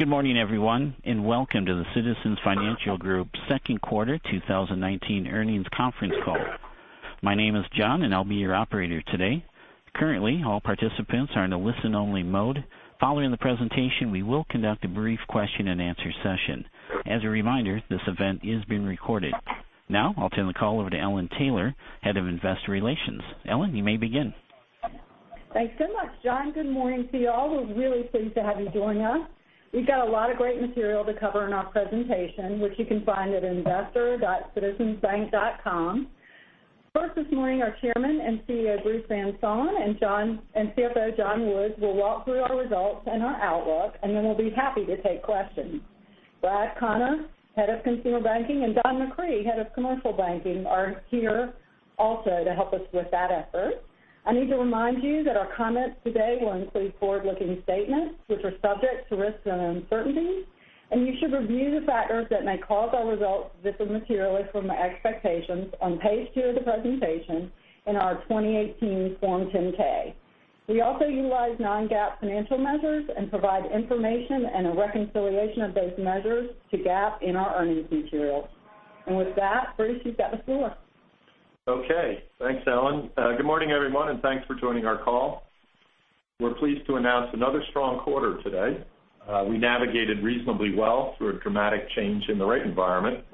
Good morning, everyone. Welcome to the Citizens Financial Group second quarter 2019 earnings conference call. My name is John, and I will be your operator today. Currently, all participants are in a listen-only mode. Following the presentation, we will conduct a brief question-and-answer session. As a reminder, this event is being recorded. Now, I will turn the call over to Ellen Taylor, Head of Investor Relations. Ellen, you may begin. Thanks so much, John. Good morning to you all. We are really pleased to have you join us. We have got a lot of great material to cover in our presentation, which you can find at investor.citizensbank.com. First this morning, our Chairman and CEO, Bruce Van Saun, and CFO, John Woods, will walk through our results and our outlook. Then we will be happy to take questions. Brad Conner, Head of Consumer Banking, and Don McCree, Head of Commercial Banking, are here also to help us with that effort. I need to remind you that our comments today will include forward-looking statements, which are subject to risks and uncertainties. You should review the factors that may cause our results to differ materially from the expectations on page two of the presentation in our 2018 Form 10-K. We also utilize non-GAAP financial measures and provide information and a reconciliation of those measures to GAAP in our earnings materials. With that, Bruce, you have got the floor. Okay. Thanks, Ellen. Good morning, everyone. Thanks for joining our call. We are pleased to announce another strong quarter today. We navigated reasonably well through a dramatic change in the rate environment.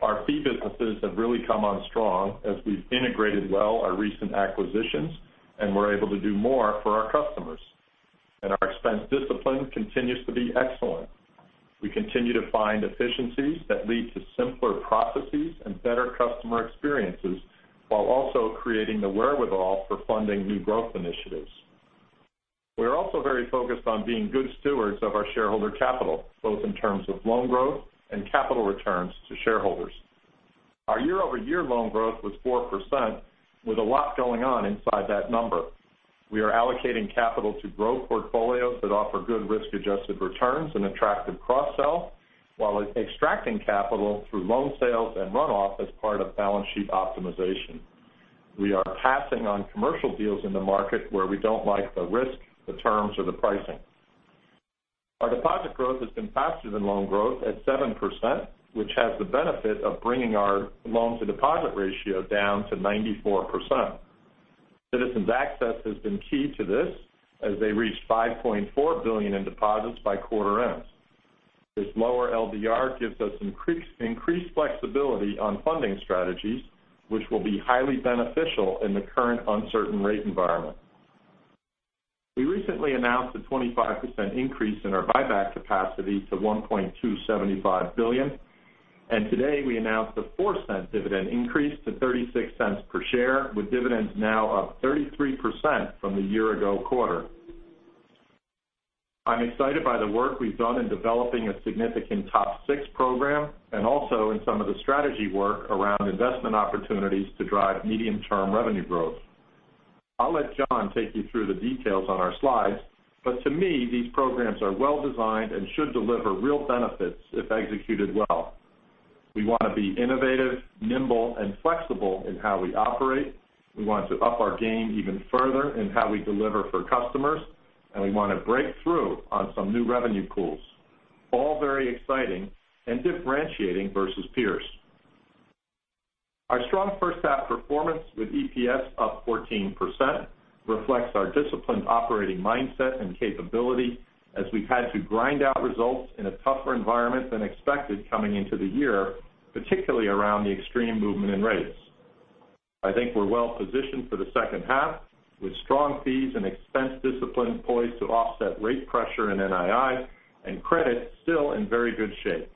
Our fee businesses have really come on strong as we have integrated well our recent acquisitions. We are able to do more for our customers. Our expense discipline continues to be excellent. We continue to find efficiencies that lead to simpler processes and better customer experiences while also creating the wherewithal for funding new growth initiatives. We are also very focused on being good stewards of our shareholder capital, both in terms of loan growth and capital returns to shareholders. Our year-over-year loan growth was 4% with a lot going on inside that number. We are allocating capital to growth portfolios that offer good risk-adjusted returns and attractive cross-sell, while extracting capital through loan sales and runoff as part of balance sheet optimization. We are passing on commercial deals in the market where we don't like the risk, the terms, or the pricing. Our deposit growth has been faster than loan growth at 7%, which has the benefit of bringing our loans-to-deposit ratio down to 94%. Citizens Access has been key to this as they reached $5.4 billion in deposits by quarter end. This lower LDR gives us increased flexibility on funding strategies, which will be highly beneficial in the current uncertain rate environment. We recently announced a 25% increase in our buyback capacity to $1.275 billion, and today we announced a $0.04 dividend increase to $0.36 per share, with dividends now up 33% from the year-ago quarter. I'm excited by the work we've done in developing a significant TOP6 program and also in some of the strategy work around investment opportunities to drive medium-term revenue growth. I'll let John take you through the details on our slides. To me, these programs are well-designed and should deliver real benefits if executed well. We want to be innovative, nimble, and flexible in how we operate. We want to up our game even further in how we deliver for customers. We want to break through on some new revenue pools. All very exciting and differentiating versus peers. Our strong first-half performance with EPS up 14% reflects our disciplined operating mindset and capability as we've had to grind out results in a tougher environment than expected coming into the year, particularly around the extreme movement in rates. I think we're well-positioned for the second half with strong fees and expense discipline poised to offset rate pressure in NII and credit still in very good shape.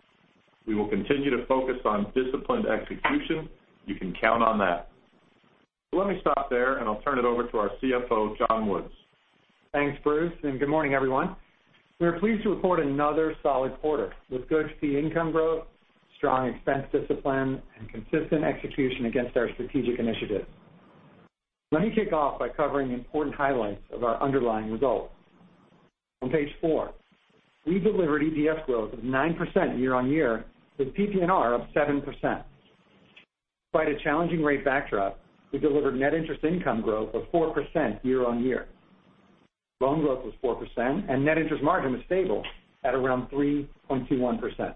We will continue to focus on disciplined execution. You can count on that. Let me stop there. I'll turn it over to our CFO, John Woods. Thanks, Bruce. Good morning, everyone. We are pleased to report another solid quarter with good fee income growth, strong expense discipline, and consistent execution against our strategic initiatives. Let me kick off by covering important highlights of our underlying results. On page four, we delivered EPS growth of 9% year-on-year with PPNR of 7%. Despite a challenging rate backdrop, we delivered net interest income growth of 4% year-on-year. Loan growth was 4%, and net interest margin was stable at around 3.21%.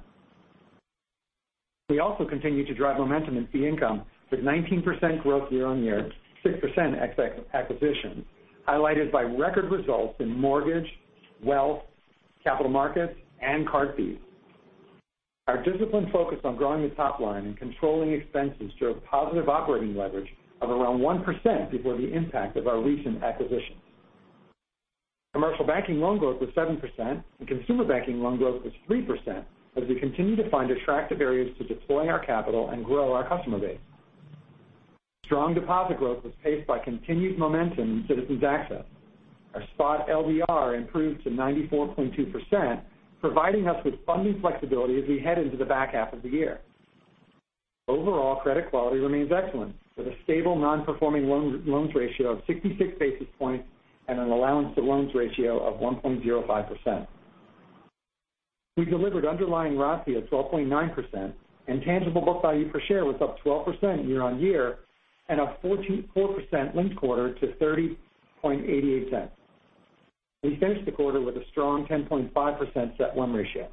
We also continued to drive momentum in fee income with 19% growth year-on-year, 6% acquisitions, highlighted by record results in mortgage, wealth, capital markets, and card fees. Our disciplined focus on growing the top line and controlling expenses showed positive operating leverage of around 1% before the impact of our recent acquisitions. Commercial banking loan growth was 7%, and consumer banking loan growth was 3%, as we continue to find attractive areas to deploy our capital and grow our customer base. Strong deposit growth was paced by continued momentum in Citizens Access. Our spot LDR improved to 94.2%, providing us with funding flexibility as we head into the back half of the year. Overall, credit quality remains excellent with a stable non-performing loans ratio of 66 basis points and an allowance to loans ratio of 1.05%. We delivered underlying ROIC of 12.9%, and tangible book value per share was up 12% year-on-year. Up 4% linked quarter to $0.3088. We finished the quarter with a strong 10.5% CET1 ratio.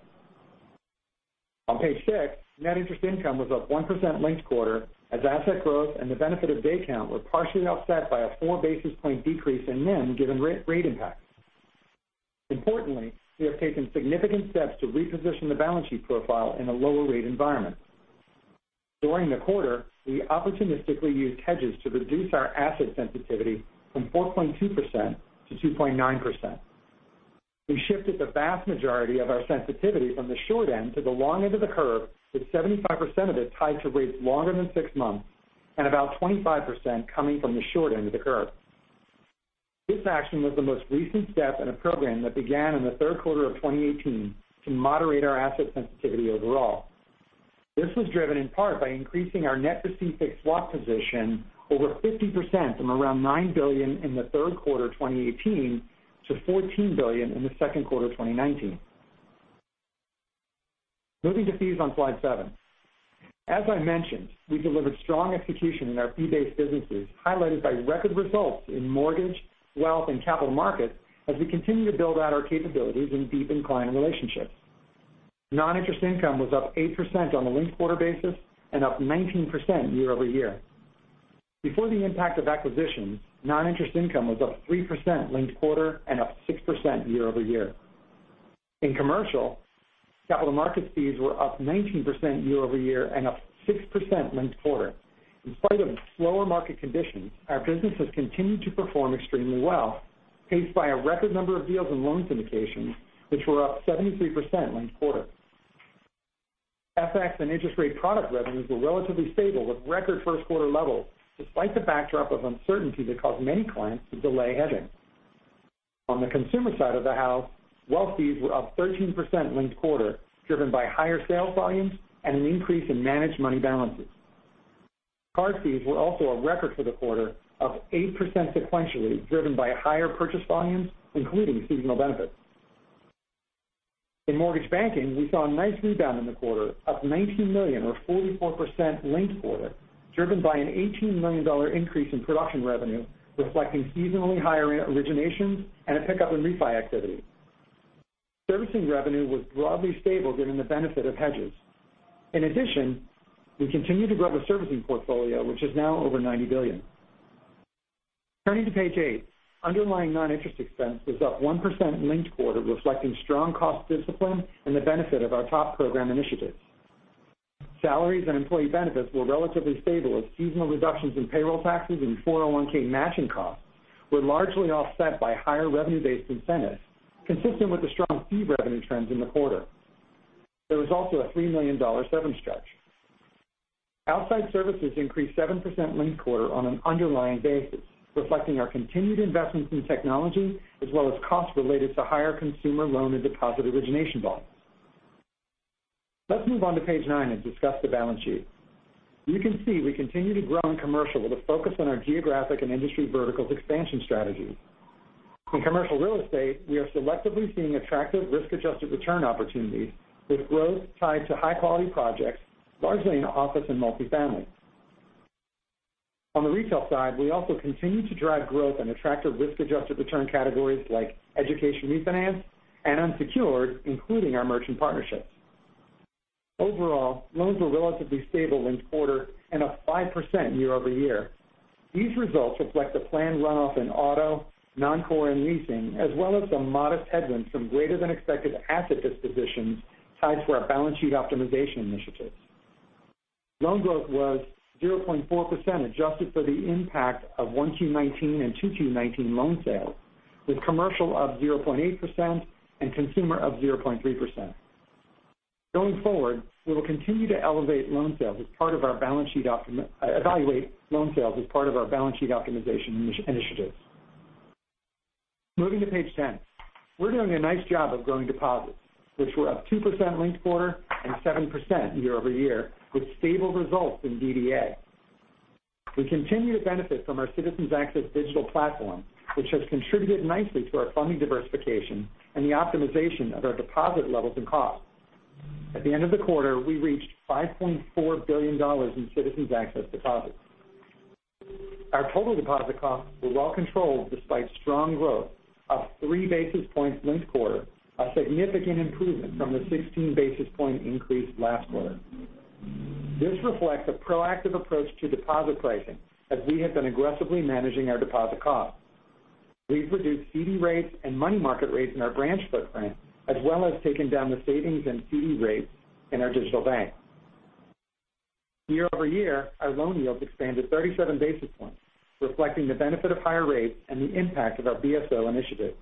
On page six, net interest income was up 1% linked quarter as asset growth and the benefit of day count were partially offset by a four basis point decrease in NIM given rate impact. Importantly, we have taken significant steps to reposition the balance sheet profile in a lower rate environment. During the quarter, we opportunistically used hedges to reduce our asset sensitivity from 4.2%-2.9%. We shifted the vast majority of our sensitivity from the short end to the long end of the curve, with 75% of it tied to rates longer than six months and about 25% coming from the short end of the curve. This action was the most recent step in a program that began in the third quarter of 2018 to moderate our asset sensitivity overall. This was driven in part by increasing our net receive fixed swap position over 50% from around $9 billion in the third quarter 2018 to $14 billion in the second quarter 2019. Moving to fees on slide seven. As I mentioned, we delivered strong execution in our fee-based businesses, highlighted by record results in mortgage, wealth, and capital markets as we continue to build out our capabilities in deepening client relationships. Non-interest income was up 8% on a linked quarter basis and up 19% year-over-year. Before the impact of acquisitions, non-interest income was up 3% linked quarter and up 6% year-over-year. In commercial, capital markets fees were up 19% year-over-year and up 6% linked quarter. In spite of slower market conditions, our businesses continued to perform extremely well, paced by a record number of deals in loan syndications, which were up 73% linked quarter. FX and interest rate product revenues were relatively stable with record first quarter levels, despite the backdrop of uncertainty that caused many clients to delay hedging. On the consumer side of the house, wealth fees were up 13% linked quarter, driven by higher sales volumes and an increase in managed money balances. Card fees were also a record for the quarter, up 8% sequentially, driven by higher purchase volumes, including seasonal benefits. In mortgage banking, we saw a nice rebound in the quarter, up $19 million or 44% linked quarter, driven by an $18 million increase in production revenue, reflecting seasonally higher originations and a pickup in refi activity. Servicing revenue was broadly stable given the benefit of hedges. In addition, we continue to grow the servicing portfolio, which is now over $90 billion. Turning to page eight. Underlying non-interest expense was up 1% linked quarter, reflecting strong cost discipline and the benefit of our TOP program initiatives. Salaries and employee benefits were relatively stable as seasonal reductions in payroll taxes, and 401(k) matching costs were largely offset by higher revenue-based incentives consistent with the strong fee revenue trends in the quarter. There was also a $3 million severance charge. Outside services increased 7% linked quarter on an underlying basis, reflecting our continued investments in technology as well as costs related to higher consumer loan and deposit origination volumes. Let's move on to page nine and discuss the balance sheet. You can see we continue to grow in commercial with a focus on our geographic and industry vertical's expansion strategy. In commercial real estate, we are selectively seeing attractive risk-adjusted return opportunities with growth tied to high-quality projects, largely in office and multifamily. On the retail side, we also continue to drive growth in attractive risk-adjusted return categories like education refinance and unsecured, including our merchant partnerships. Overall, loans were relatively stable linked quarter and up 5% year-over-year. These results reflect the planned runoff in auto, non-core, and leasing, as well as some modest headwinds from greater than expected asset dispositions tied to our balance sheet optimization initiatives. Loan growth was 0.4% adjusted for the impact of 1Q 2019 and 2Q 2019 loan sales, with commercial up 0.8% and consumer up 0.3%. Going forward, we will continue to evaluate loan sales as part of our balance sheet optimization initiatives. Moving to page 10. We're doing a nice job of growing deposits, which were up 2% linked quarter and 7% year-over-year with stable results in DDA. We continue to benefit from our Citizens Access digital platform, which has contributed nicely to our funding diversification and the optimization of our deposit levels and costs. At the end of the quarter, we reached $5.4 billion in Citizens Access deposits. Our total deposit costs were well controlled despite strong growth, up three basis points linked quarter, a significant improvement from the 16 basis point increase last quarter. This reflects a proactive approach to deposit pricing as we have been aggressively managing our deposit costs. We've reduced CD rates and money market rates in our branch footprint, as well as taken down the savings and CD rates in our digital bank. Year-over-year, our loan yields expanded 37 basis points, reflecting the benefit of higher rates and the impact of our BSO initiatives.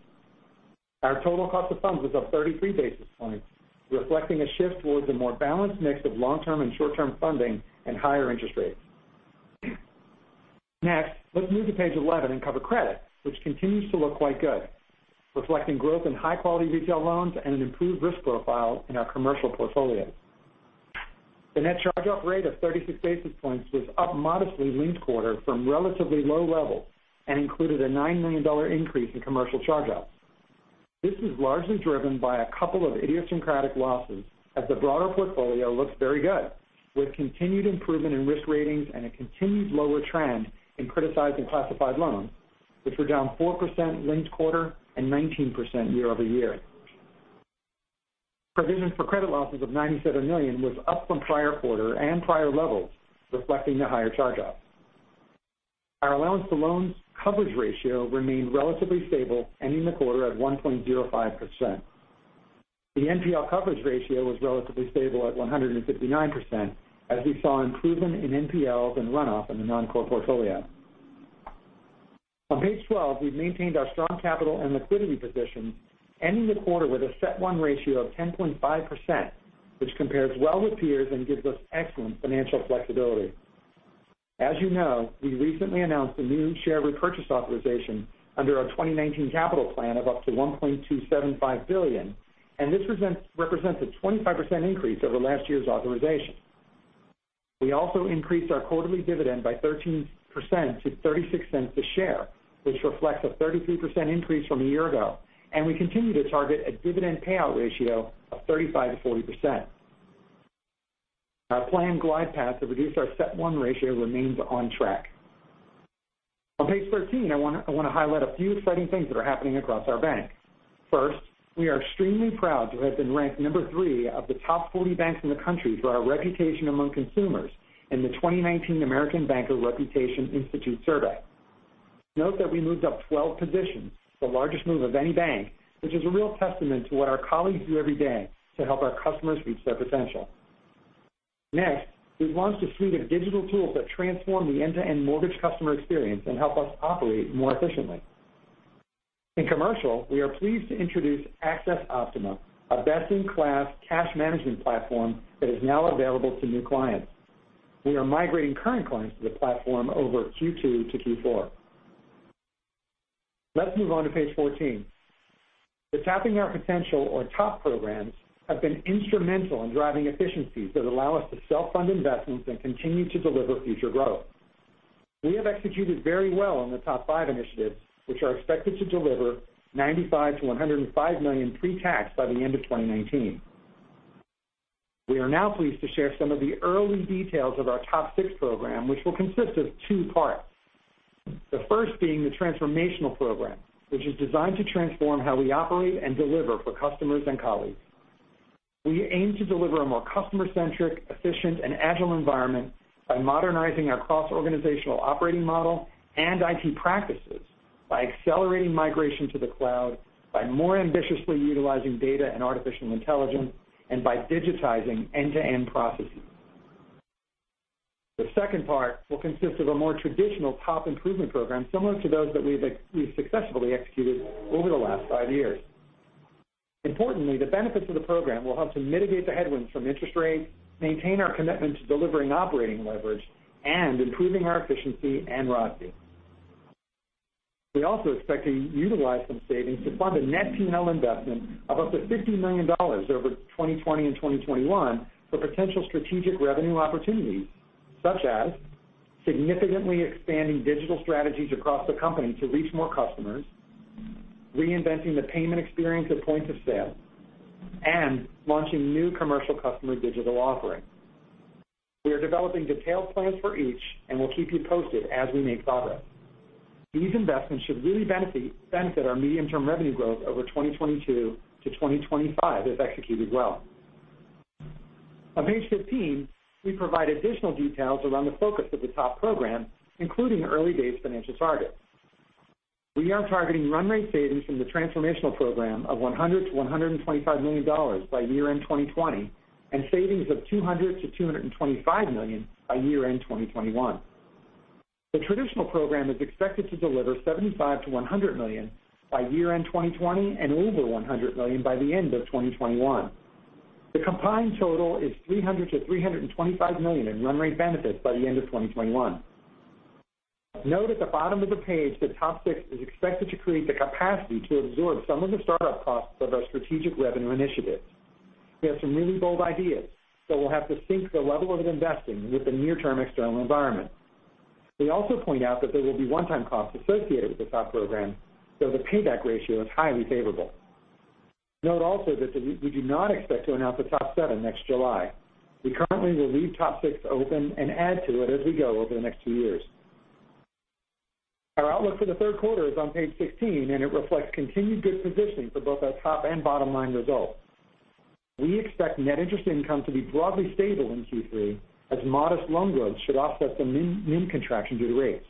Our total cost of funds was up 33 basis points, reflecting a shift towards a more balanced mix of long-term and short-term funding and higher interest rates. Next, let's move to page 11 and cover credit, which continues to look quite good, reflecting growth in high-quality retail loans and an improved risk profile in our commercial portfolio. The net charge-off rate of 36 basis points was up modestly linked quarter from relatively low levels and included a $9 million increase in commercial charge-offs. This is largely driven by a couple of idiosyncratic losses as the broader portfolio looks very good. With continued improvement in risk ratings and a continued lower trend in criticized and classified loans, which were down 4% linked quarter and 19% year-over-year. Provision for credit losses of $97 million was up from prior quarter and prior levels, reflecting the higher charge-offs. Our allowance-to-loans coverage ratio remained relatively stable, ending the quarter at 1.05%. The NPL coverage ratio was relatively stable at 159%, as we saw improvement in NPLs and runoff in the non-core portfolio. On page 12, we've maintained our strong capital and liquidity position, ending the quarter with a CET1 ratio of 10.5%, which compares well with peers and gives us excellent financial flexibility. As you know, we recently announced a new share repurchase authorization under our 2019 capital plan of up to $1.275 billion. This represents a 25% increase over last year's authorization. We also increased our quarterly dividend by 13% to $0.36 a share, which reflects a 33% increase from a year ago, and we continue to target a dividend payout ratio of 35%-40%. Our planned glide path to reduce our CET1 ratio remains on track. On page 13, I want to highlight a few exciting things that are happening across our bank. First, we are extremely proud to have been ranked number three of the top 40 banks in the country for our reputation among consumers in the 2019 American Banker Reputation Institute survey. Note that we moved up 12 positions, the largest move of any bank, which is a real testament to what our colleagues do every day to help our customers reach their potential. Next, we've launched a suite of digital tools that transform the end-to-end mortgage customer experience and help us operate more efficiently. In commercial, we are pleased to introduce accessOPTIMA, a best-in-class cash management platform that is now available to new clients. We are migrating current clients to the platform over Q2 to Q4. Let's move on to page 14. The Tapping Our Potential or TOP programs have been instrumental in driving efficiencies that allow us to self-fund investments and continue to deliver future growth. We have executed very well on the TOP5 initiatives, which are expected to deliver $95 million-$105 million pre-tax by the end of 2019. We are now pleased to share some of the early details of our TOP6 program, which will consist of two parts. The first being the transformational program, which is designed to transform how we operate and deliver for customers and colleagues. We aim to deliver a more customer-centric, efficient, and agile environment by modernizing our cross-organizational operating model and IT practices by accelerating migration to the cloud, by more ambitiously utilizing data and artificial intelligence, and by digitizing end-to-end processes. The second part will consist of a more traditional TOP improvement program, similar to those that we've successfully executed over the last five years. Importantly, the benefits of the program will help to mitigate the headwinds from interest rates, maintain our commitment to delivering operating leverage, and improving our efficiency and ROTCE. We also expect to utilize some savings to fund a net P&L investment of up to $50 million over 2020 and 2021 for potential strategic revenue opportunities, such as significantly expanding digital strategies across the company to reach more customers, reinventing the payment experience at point of sale, and launching new commercial customer digital offerings. We are developing detailed plans for each and will keep you posted as we make progress. These investments should really benefit our medium-term revenue growth over 2022 to 2025 if executed well. On page 15, we provide additional details around the focus of the TOP program, including early-stage financial targets. We are targeting run rate savings from the transformational program of $100 million-$125 million by year-end 2020 and savings of $200 million-$225 million by year-end 2021. The traditional program is expected to deliver $75 million-$100 million by year-end 2020 and over $100 million by the end of 2021. The combined total is $300 million-$325 million in run rate benefits by the end of 2021. Note at the bottom of the page that TOP6 is expected to create the capacity to absorb some of the startup costs of our strategic revenue initiatives. We have some really bold ideas that will have to sync the level of investing with the near-term external environment. We also point out that there will be one-time costs associated with the TOP program, though the payback ratio is highly favorable. Note also that we do not expect to announce a TOP7 next July. We currently will leave TOP6 open and add to it as we go over the next two years. Our outlook for the third quarter is on page 16. It reflects continued good positioning for both our top and bottom-line results. We expect net interest income to be broadly stable in Q3 as modest loan growth should offset some NIM contraction due to rates.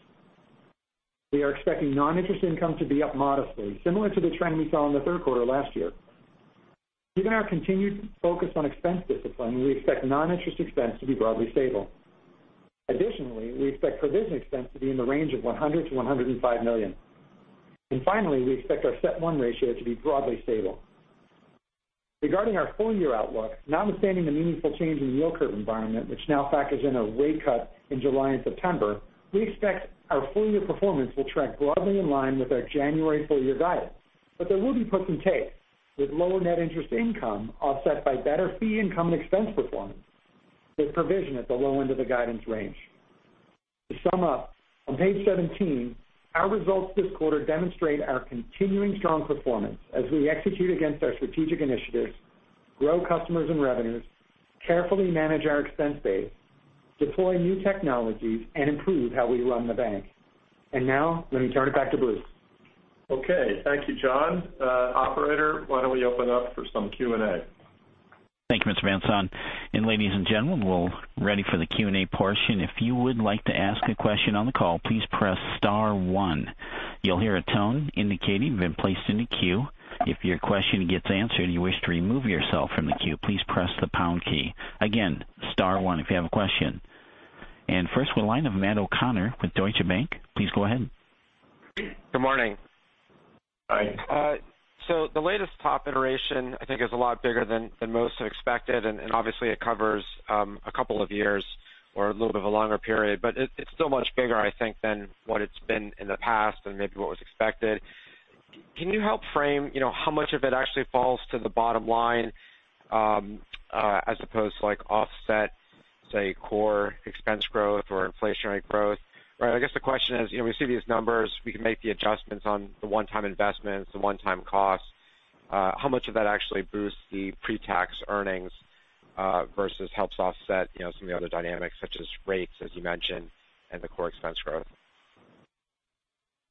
We are expecting non-interest income to be up modestly, similar to the trend we saw in the third quarter last year. Given our continued focus on expense discipline, we expect non-interest expense to be broadly stable. Additionally, we expect provision expense to be in the range of $100 million-$105 million. Finally, we expect our CET1 ratio to be broadly stable. Regarding our full-year outlook, notwithstanding the meaningful change in yield curve environment, which now factors in a rate cut in July and September, we expect our full-year performance will trend broadly in line with our January full-year guidance. There will be put and take with lower net interest income offset by better fee income and expense performance with provision at the low end of the guidance range. To sum up, on page 17, our results this quarter demonstrate our continuing strong performance as we execute against our strategic initiatives, grow customers and revenues, carefully manage our expense base, deploy new technologies, and improve how we run the bank. Now let me turn it back to Bruce. Okay. Thank you, John. Operator, why don't we open up for some Q&A? Thank you, Mr. Van Saun. Ladies and gentlemen, we're ready for the Q&A portion. If you would like to ask a question on the call, please press star one. You'll hear a tone indicating you've been placed in the queue. If your question gets answered, and you wish to remove yourself from the queue, please press the pound key. Again, star one if you have a question. First we'll line up Matt O'Connor with Deutsche Bank. Please go ahead. Good morning. Hi. The latest TOP iteration, I think, is a lot bigger than most have expected, and obviously it covers a couple of years or a little bit of a longer period, but it's still much bigger, I think, than what it's been in the past and maybe what was expected. Can you help frame how much of it actually falls to the bottom line, as opposed to offset, say, core expense growth or inflationary growth? I guess the question is, we see these numbers, we can make the adjustments on the one-time investments, the one-time costs. How much of that actually boosts the pre-tax earnings versus helps offset some of the other dynamics such as rates, as you mentioned, and the core expense growth?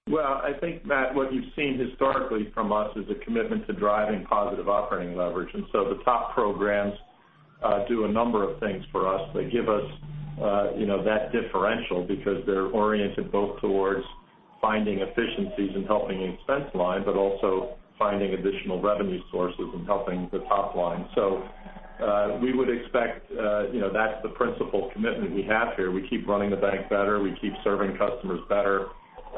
Well, I think, Matt, what you've seen historically from us is a commitment to driving positive operating leverage. The TOP programs do a number of things for us. They give us that differential because they're oriented both towards finding efficiencies and helping the expense line, but also finding additional revenue sources and helping the top line. We would expect that's the principal commitment we have here. We keep running the bank better, we keep serving customers better,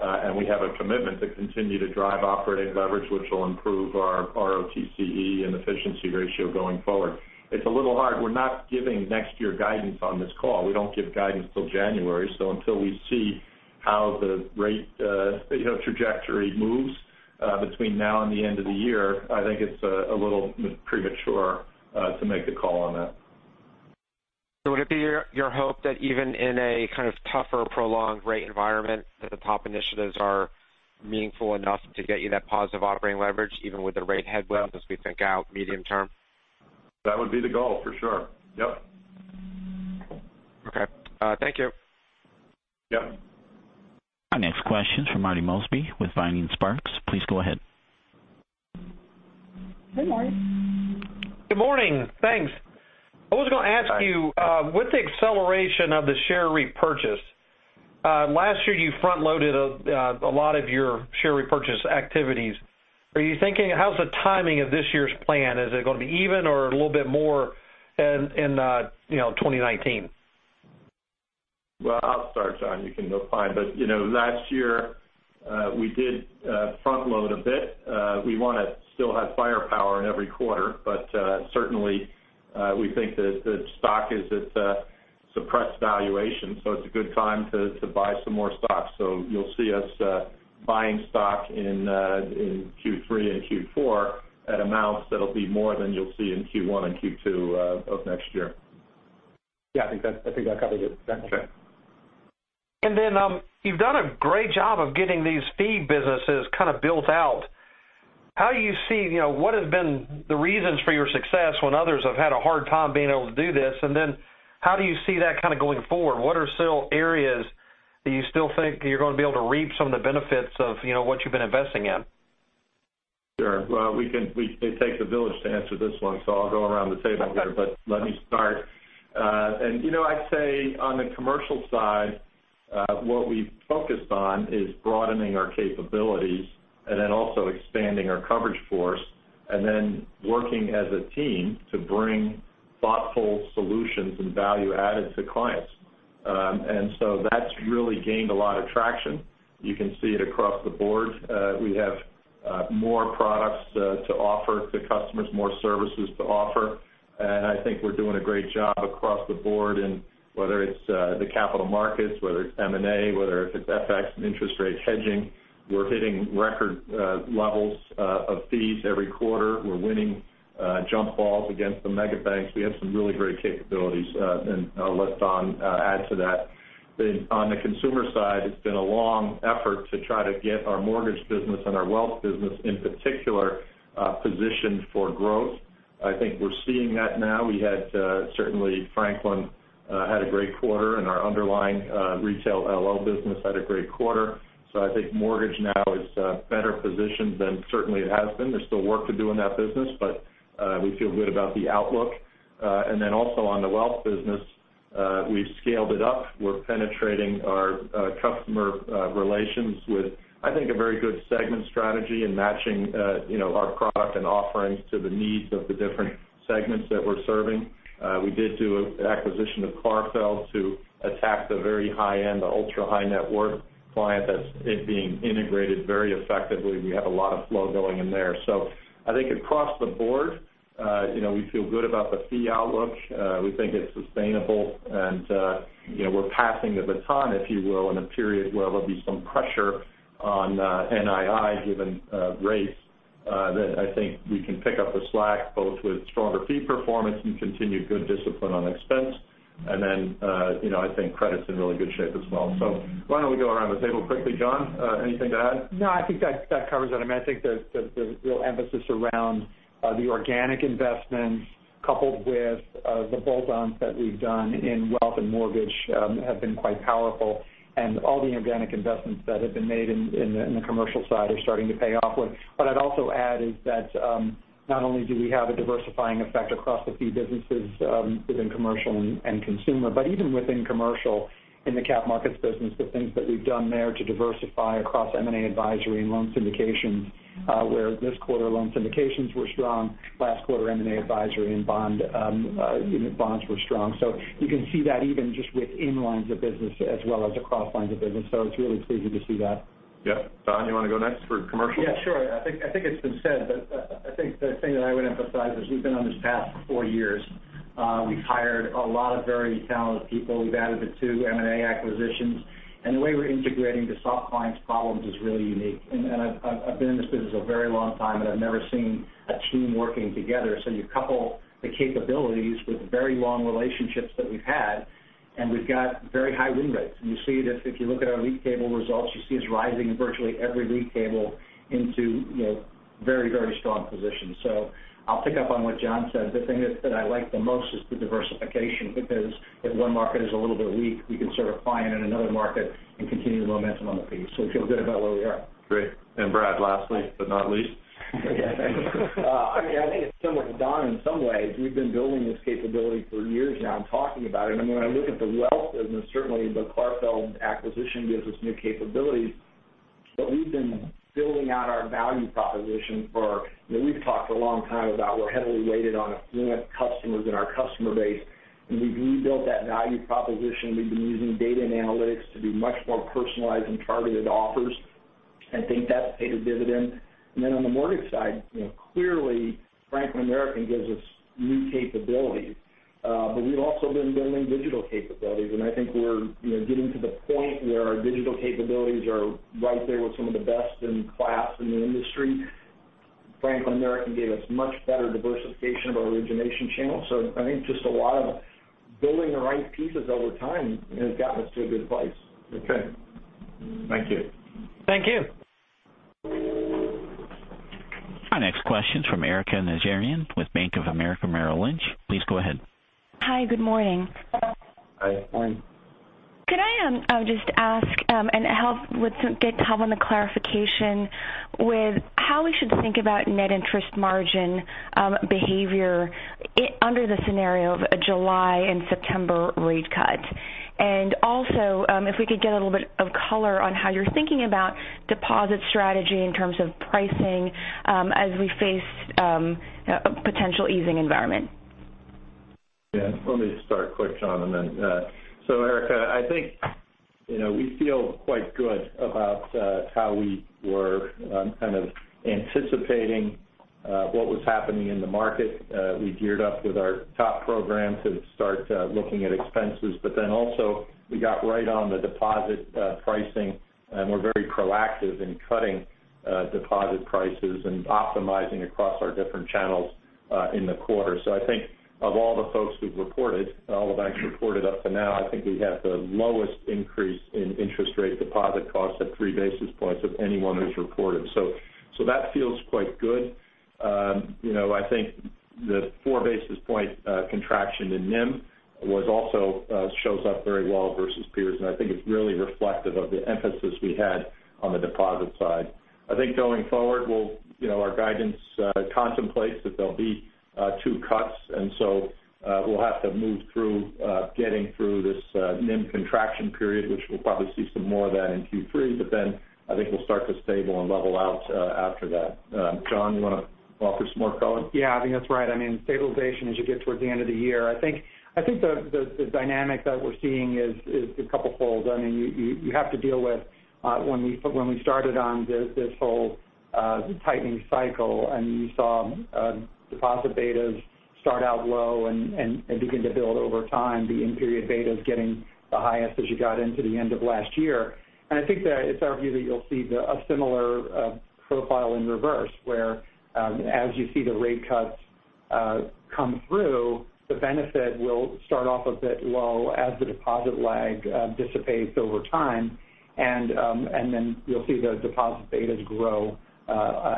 and we have a commitment to continue to drive operating leverage, which will improve our ROTCE and efficiency ratio going forward. It's a little hard. We're not giving next year guidance on this call. We don't give guidance till January. Until we see how the rate trajectory moves between now and the end of the year, I think it's a little premature to make the call on that. Would it be your hope that even in a kind of tougher, prolonged rate environment, that the TOP initiatives are meaningful enough to get you that positive operating leverage even with the rate headwinds as we think out medium term? That would be the goal for sure. Yep. Okay. Thank you. Yep. Our next question is from Marty Mosby with Vining Sparks. Please go ahead. Good morning. Good morning. Thanks. I was going to ask you, with the acceleration of the share repurchase, last year you front-loaded a lot of your share repurchase activities. How's the timing of this year's plan? Is it going to be even or a little bit more in 2019? Well, I'll start, John. You can go fine. Last year, we did front load a bit. We want to still have firepower in every quarter, but certainly we think that the stock is at suppressed valuation, so it's a good time to buy some more stock. You'll see us buying stock in Q3 and Q4 at amounts that'll be more than you'll see in Q1 and Q2 of next year. Yeah, I think that covered it. Thanks. Okay. You've done a great job of getting these fee businesses built out. What has been the reasons for your success when others have had a hard time being able to do this? How do you see that going forward? What are some areas that you still think you're going to be able to reap some of the benefits of what you've been investing in? Sure. It takes a village to answer this one, so I'll go around the table here, let me start. I'd say on the commercial side, what we've focused on is broadening our capabilities expanding our coverage force, working as a team to bring thoughtful solutions and value added to clients. That's really gained a lot of traction. You can see it across the board. We have more products to offer to customers, more services to offer. I think we're doing a great job across the board in whether it's the capital markets, whether it's M&A, whether it's FX, and interest rate hedging. We're hitting record levels of fees every quarter. We're winning jump balls against the mega banks. We have some really great capabilities. I'll let Don add to that. On the consumer side, it's been a long effort to try to get our mortgage business and our wealth business in particular, positioned for growth. I think we're seeing that now. Certainly, Franklin had a great quarter, and our underlying retail loan business had a great quarter. I think mortgage now is better positioned than certainly it has been. There's still work to do in that business, but we feel good about the outlook. On the wealth business, we've scaled it up. We're penetrating our customer relations with, I think, a very good segment strategy in matching our product and offerings to the needs of the different segments that we're serving. We did do an acquisition of Clarfeld to attack the very high-end, the ultra-high net worth client that's being integrated very effectively. We have a lot of flow going in there. I think across the board we feel good about the fee outlook. We think it's sustainable and we're passing the baton, if you will, in a period where there'll be some pressure on NII given rates that I think we can pick up the slack both with stronger fee performance and continued good discipline on expense. I think credit's in really good shape as well. Why don't we go around the table quickly? John, anything to add? No, I think that covers it. I think the real emphasis around the organic investments coupled with the bolt-ons that we've done in wealth and mortgage have been quite powerful, and all the organic investments that have been made in the commercial side are starting to pay off. What I'd also add is that not only do we have a diversifying effect across the fee businesses within commercial and consumer, but even within commercial in the capital markets business, the things that we've done there to diversify across M&A advisory and loan syndications where this quarter loan syndications were strong, last quarter M&A advisory and bonds were strong. You can see that even just within lines of business as well as across lines of business. It's really pleasing to see that. Yeah. Don, you want to go next for commercial? Yeah, sure. I think it's been said, but I think the thing that I would emphasize is we've been on this path for four years. We've hired a lot of very talented people. We've added the two M&A acquisitions, the way we're integrating to solve clients' problems is really unique. I've been in this business a very long time, and I've never seen a team working together. You couple the capabilities with very long relationships that we've had, and we've got very high win rates. You see this, if you look at our league table results, you see us rising in virtually every league table into very strong positions. I'll pick up on what John said. The thing that I like the most is the diversification because if one market is a little bit weak, we can sort of find it in another market and continue the momentum on the piece. We feel good about where we are. Great. Brad, lastly, but not least. Yeah, thanks. I think it's similar to Don in some ways. We've been building this capability for years now and talking about it. When I look at the wealth business, certainly the Clarfeld acquisition gives us new capabilities, but we've been building out our value proposition. We've talked a long time about we're heavily weighted on affluent customers in our customer base, and we've rebuilt that value proposition. We've been using data and analytics to do much more personalized and targeted offers, and I think that's paid a dividend. Then on the mortgage side, clearly Franklin American gives us new capabilities. We've also been building digital capabilities, and I think we're getting to the point where our digital capabilities are right there with some of the best in class in the industry. Franklin American gave us much better diversification of our origination channel. I think just a lot of building the right pieces over time has gotten us to a good place. Okay. Thank you. Thank you. Our next question's from Erika Najarian with Bank of America Merrill Lynch. Please go ahead. Hi. Good morning. Hi. Morning. Could I just ask and get help on the clarification with how we should think about net interest margin behavior under the scenario of a July and September rate cut? Also, if we could get a little bit of color on how you're thinking about deposit strategy in terms of pricing as we face a potential easing environment. Let me start quick, John. Erika, I think we feel quite good about how we were kind of anticipating what was happening in the market. We geared up with our TOP program to start looking at expenses. Also, we got right on the deposit pricing, and we're very proactive in cutting deposit prices and optimizing across our different channels in the quarter. I think of all the folks who've reported, all the banks who reported up to now, I think we have the lowest increase in interest rate deposit costs at three basis points of anyone who's reported. That feels quite good. I think the four basis point contraction in NIM also shows up very well versus peers, and I think it's really reflective of the emphasis we had on the deposit side. I think going forward, our guidance contemplates that there will be two cuts, we'll have to move through getting through this NIM contraction period, which we'll probably see some more of that in Q3. I think we'll start to stable and level out after that. John, you want to offer some more color? Yeah, I think that's right. Stabilization as you get towards the end of the year. I think the dynamic that we're seeing is a couple fold. You have to deal with when we started on this whole tightening cycle, and you saw deposit betas start out low and begin to build over time, the in-period betas getting the highest as you got into the end of last year. I think that it's our view that you'll see a similar profile in reverse, where as you see the rate cuts come through, the benefit will start off a bit low as the deposit lag dissipates over time. Then you'll see the deposit betas grow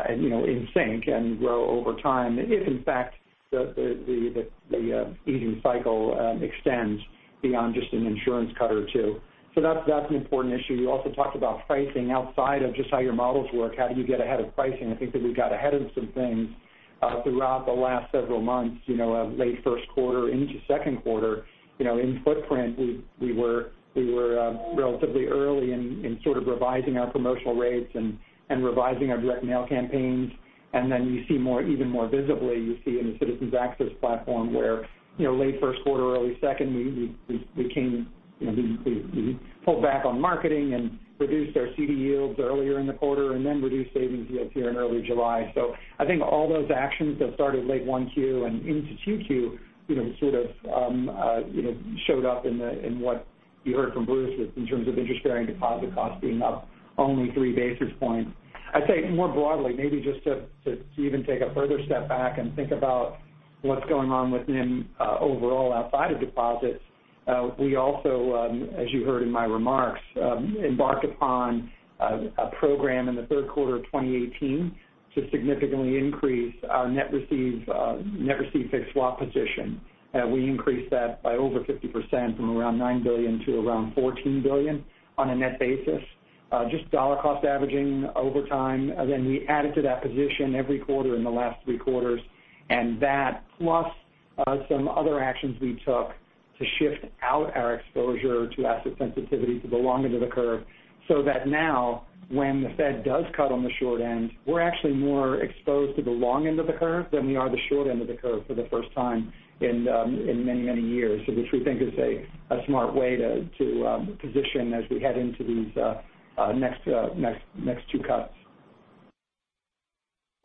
in sync and grow over time if in fact the easing cycle extends beyond just an insurance cut or two. That's an important issue. You also talked about pricing outside of just how your models work. How do you get ahead of pricing? I think that we got ahead of some things throughout the last several months, late first quarter into second quarter. In footprint, we were relatively early in sort of revising our promotional rates and revising our direct mail campaigns. Then you see even more visibly, you see in the Citizens Access platform where late first quarter, early second, we pulled back on marketing and reduced our CD yields earlier in the quarter and then reduced savings yields here in early July. I think all those actions that started late 1Q and into 2Q sort of showed up in You heard from Bruce that in terms of interest-bearing deposit costs being up only three basis points. I'd say more broadly, maybe just to even take a further step back and think about what's going on within overall outside of deposits. We also, as you heard in my remarks, embarked upon a program in the third quarter of 2018 to significantly increase our net received fixed swap position. We increased that by over 50%, from around $9 billion to around $14 billion on a net basis. Just dollar cost averaging over time. We added to that position every quarter in the last three quarters, and that plus some other actions we took to shift out our exposure to asset sensitivity to the long end of the curve, so that now when the Fed does cut on the short end, we're actually more exposed to the long end of the curve than we are the short end of the curve for the first time in many years. Which we think is a smart way to position as we head into these next two cuts.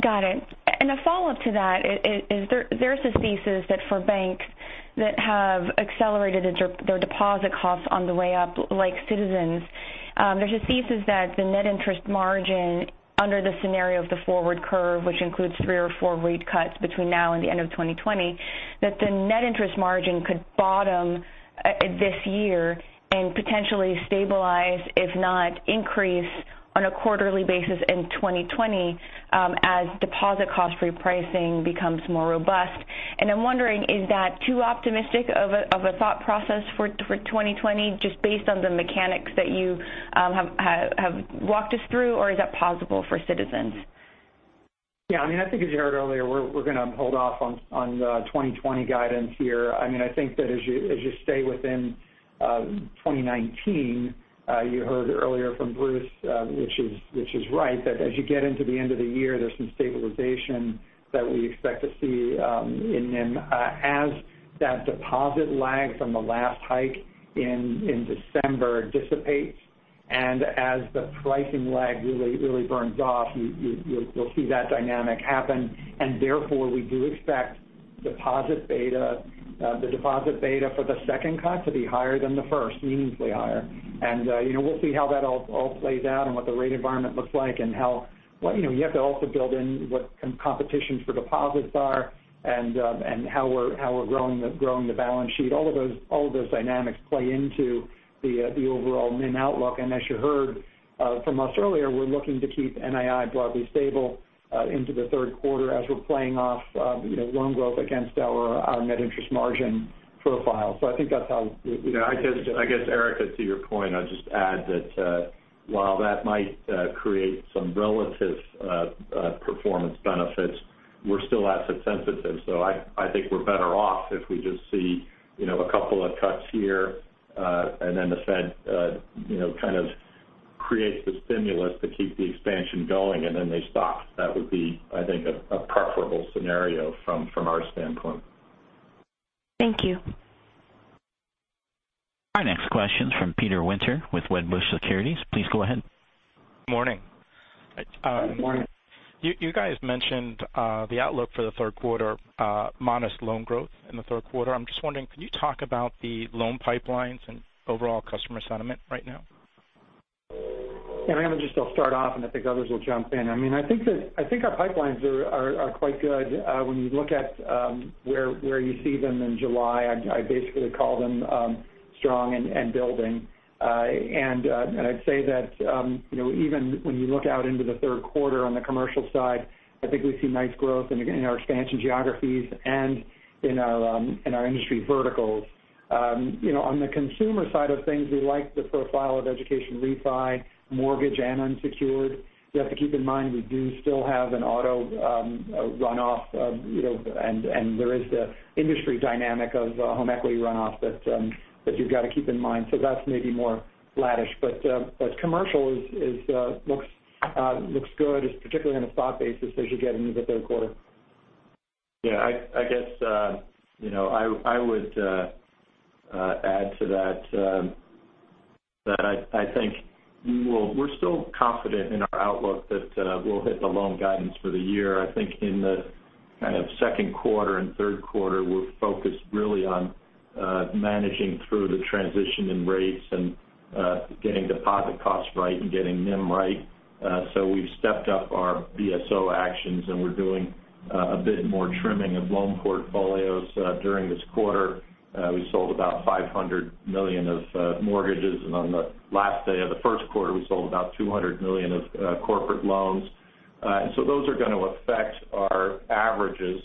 Got it. A follow-up to that is there's this thesis that for banks that have accelerated their deposit costs on the way up, like Citizens, there's this thesis that the net interest margin under the scenario of the forward curve, which includes three or four rate cuts between now and the end of 2020, that the net interest margin could bottom this year and potentially stabilize, if not increase on a quarterly basis in 2020 as deposit cost repricing becomes more robust. I'm wondering, is that too optimistic of a thought process for 2020, just based on the mechanics that you have walked us through, or is that possible for Citizens? Yeah. I think as you heard earlier, we're going to hold off on the 2020 guidance here. I think that as you stay within 2019, you heard earlier from Bruce, which is right, that as you get into the end of the year, there's some stabilization that we expect to see in NIM as that deposit lag from the last hike in December dissipates. As the pricing lag really burns off you'll see that dynamic happen. Therefore, we do expect the deposit beta for the second cut to be higher than the first, meaningfully higher. We'll see how that all plays out and what the rate environment looks like, and how You have to also build in what competition for deposits are and how we're growing the balance sheet. All of those dynamics play into the overall NIM outlook. As you heard from us earlier, we're looking to keep NII broadly stable into the third quarter as we're playing off loan growth against our net interest margin profile. I guess, Erika, to your point, I'd just add that while that might create some relative performance benefits, we're still asset sensitive. I think we're better off if we just see a couple of cuts here, and then the Fed kind of creates the stimulus to keep the expansion going, and then they stop. That would be, I think, a preferable scenario from our standpoint. Thank you. Our next question's from Peter Winter with Wedbush Securities. Please go ahead. Morning. Morning. You guys mentioned the outlook for the third quarter, modest loan growth in the third quarter. I'm just wondering, can you talk about the loan pipelines and overall customer sentiment right now? I'm going to just start off, I think others will jump in. I think our pipelines are quite good. When you look at where you see them in July, I basically call them strong and building. I'd say that even when you look out into the third quarter on the commercial side, I think we see nice growth in our expansion geographies and in our industry verticals. On the consumer side of things, we like the profile of education refi, mortgage, and unsecured. You have to keep in mind, we do still have an auto runoff, and there is the industry dynamic of home equity runoff that you've got to keep in mind. That's maybe more flattish. Commercial looks good, particularly on a spot basis as you get into the third quarter. Yeah. I guess I would add to that I think we're still confident in our outlook that we'll hit the loan guidance for the year. I think in the kind of second quarter and third quarter, we're focused really on managing through the transition in rates and getting deposit costs right and getting NIM right. We've stepped up our BSO actions, and we're doing a bit more trimming of loan portfolios during this quarter. We sold about $500 million of mortgages, and on the last day of the first quarter, we sold about $200 million of corporate loans. Those are going to affect our averages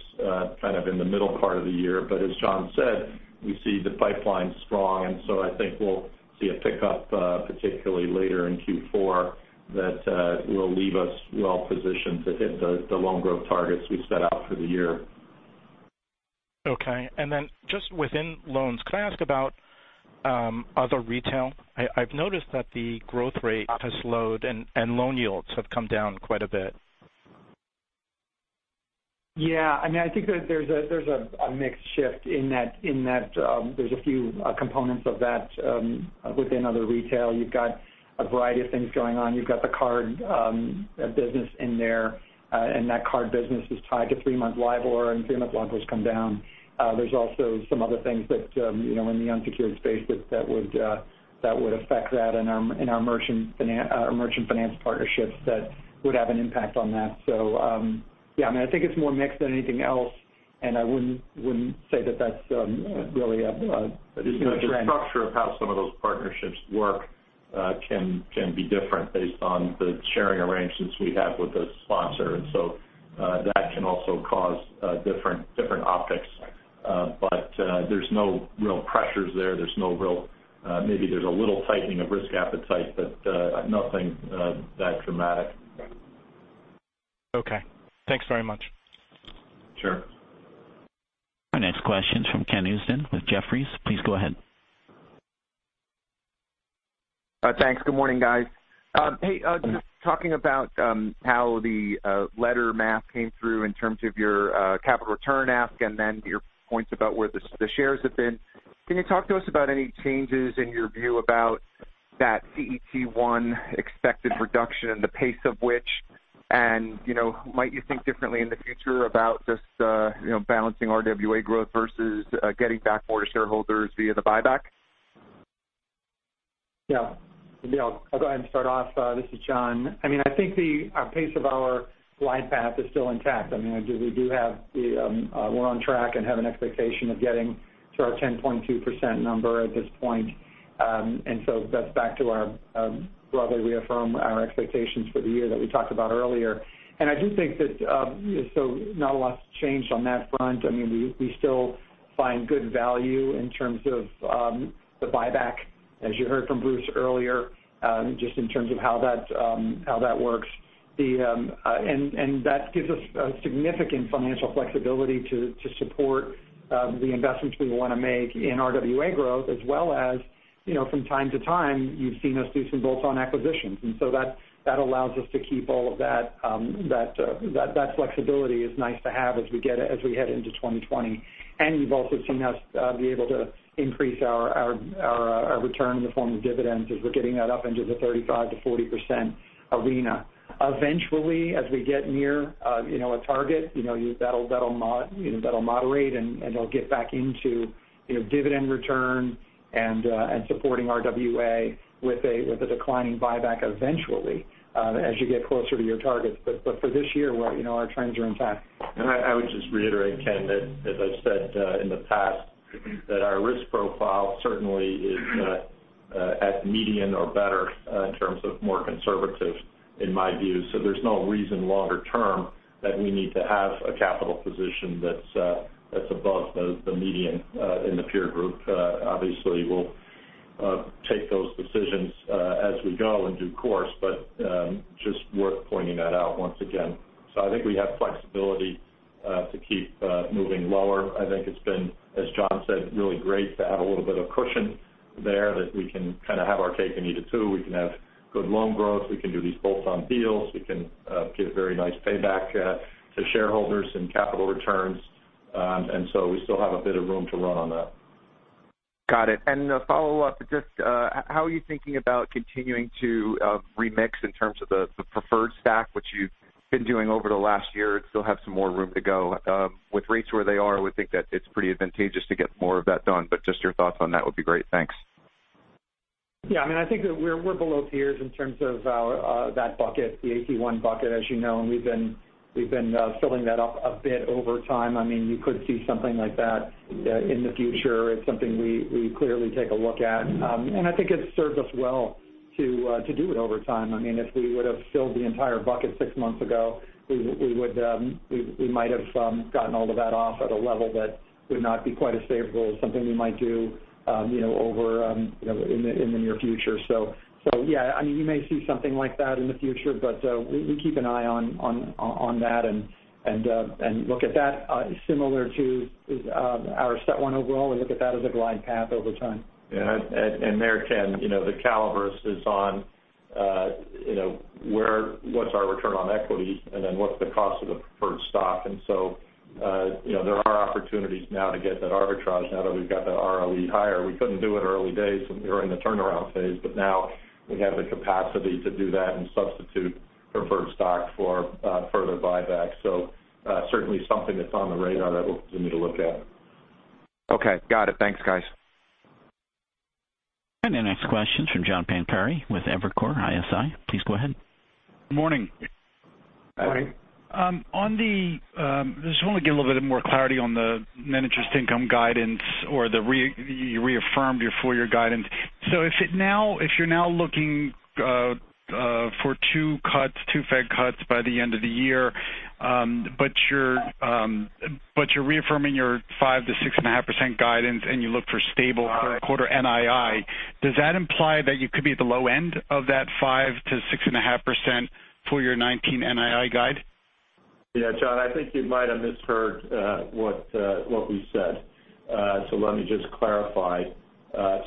kind of in the middle part of the year. As John said, we see the pipeline strong, I think we'll see a pickup, particularly later in Q4, that will leave us well positioned to hit the loan growth targets we set out for the year. Okay. Just within loans, could I ask about other retail? I've noticed that the growth rate has slowed and loan yields have come down quite a bit. Yeah. I think there's a mixed shift in that there's a few components of that within other retail. You've got a variety of things going on. You've got the card business in there, and that card business is tied to three-month LIBOR, and three-month LIBOR's come down. There's also some other things that in the unsecured space that would affect that in our merchant finance partnerships that would have an impact on that. I think it's more mixed than anything else, and I wouldn't say that that's really a trend. The structure of how some of those partnerships work can be different based on the sharing arrangements we have with the sponsor. That can also cause different optics. There's no real pressures there. Maybe there's a little tightening of risk appetite, but nothing that dramatic. Okay. Thanks very much. Sure. Our next question's from Ken Usdin with Jefferies. Please go ahead. Thanks. Good morning, guys. Hey, just talking about how the letter math came through in terms of your capital return ask your points about where the shares have been. Can you talk to us about any changes in your view about that CET1 expected reduction and the pace of which, might you think differently in the future about just balancing RWA growth versus getting back more to shareholders via the buyback? Yeah. I'll go ahead and start off. This is John. I think the pace of our glide path is still intact. We're on track and have an expectation of getting to our 10.2% number at this point. That's back to our broadly reaffirm our expectations for the year that we talked about earlier. I do think that so not a lot's changed on that front. We still find good value in terms of the buyback, as you heard from Bruce earlier, just in terms of how that works. That gives us significant financial flexibility to support the investments we want to make in RWA growth as well as from time to time, you've seen us do some bolts-on acquisitions. That allows us to keep all of that. That flexibility is nice to have as we head into 2020. You've also seen us be able to increase our return in the form of dividends as we're getting that up into the 35%-40% arena. Eventually, as we get near a target, that'll moderate, it'll get back into dividend return and supporting RWA with a declining buyback eventually as you get closer to your targets. For this year, our trends are intact. I would just reiterate, Ken, that as I've said in the past, that our risk profile certainly is at median or better in terms of more conservative in my view. There's no reason longer term that we need to have a capital position that's above the median in the peer group. Obviously, we'll take those decisions as we go in due course, but just worth pointing that out once again. I think we have flexibility to keep moving lower. I think it's been, as John said, really great to have a little bit of cushion there that we can kind of have our cake and eat it too. We can have good loan growth. We can do these bolt-on deals. We can give very nice payback to shareholders and capital returns. We still have a bit of room to run on that. Got it. A follow-up just how is you thinking about continuing to remix in terms of the preferred stock, which you've been doing over the last year and still have some more room to go. With rates where they are, I would think that it's pretty advantageous to get more of that done. Just your thoughts on that would be great. Thanks. Yeah, I think that we're below peers in terms of that bucket, the 81 bucket, as you know, and we've been filling that up a bit over time. You could see something like that in the future. It's something we clearly take a look at. I think it served us well to do it over time. If we would have filled the entire bucket six months ago, we might have gotten all of that off at a level that would not be quite as favorable as something we might do in the near future. Yeah, you may see something like that in the future, but we keep an eye on that and look at that similar to our CET1 overall, we look at that as a glide path over time. Yeah. There, Ken, the caliber is on what's our return on equity and then what's the cost of the preferred stock. There are opportunities now to get that arbitrage now that we've got the ROE higher. We couldn't do it early days when we were in the turnaround phase. Now we have the capacity to do that and substitute preferred stock for further buyback. Certainly something that's on the radar that we'll continue to look at. Okay. Got it. Thanks, guys. The next question's from John Pancari with Evercore ISI. Please go ahead. Morning. Morning. Just want to get a little bit more clarity on the net interest income guidance or you reaffirmed your full year guidance. If you're now looking for two Fed cuts by the end of the year but you're reaffirming your 5%-6.5% guidance and you look for stable quarter NII, does that imply that you could be at the low end of that 5%-6.5% for your 2019 NII guide? Yeah, John, I think you might have misheard what we said. Let me just clarify.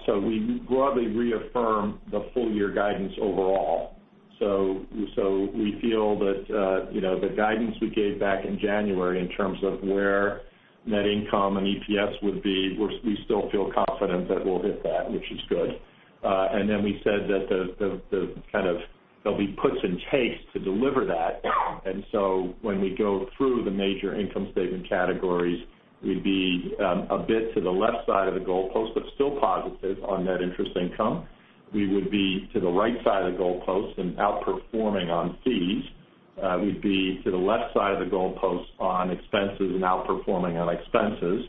We broadly reaffirm the full year guidance overall. We feel that the guidance we gave back in January in terms of where net income and EPS would be, we still feel confident that we'll hit that, which is good. We said that there'll be puts and takes to deliver that. When we go through the major income statement categories, we'd be a bit to the left side of the goalpost, but still positive on net interest income. We would be to the right side of the goalpost and outperforming on fees. We'd be to the left side of the goalpost on expenses and outperforming on expenses.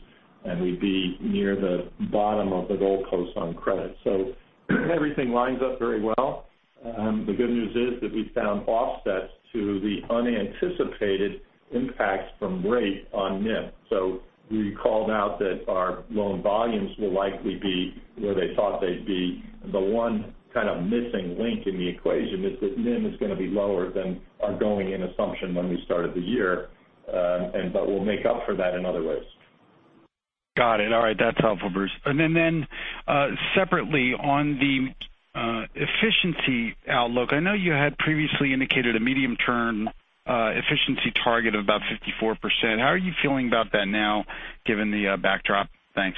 We'd be near the bottom of the goalpost on credit. Everything lines up very well. The good news is that we found offsets to the unanticipated impacts from rate on NIM. We called out that our loan volumes will likely be where they thought they'd be. The one kind of missing link in the equation is that NIM is going to be lower than our going-in assumption when we started the year. We'll make up for that in other ways. Got it. All right. That's helpful, Bruce. Separately, on the efficiency outlook, I know you had previously indicated a medium-term efficiency target of about 54%. How are you feeling about that now, given the backdrop? Thanks.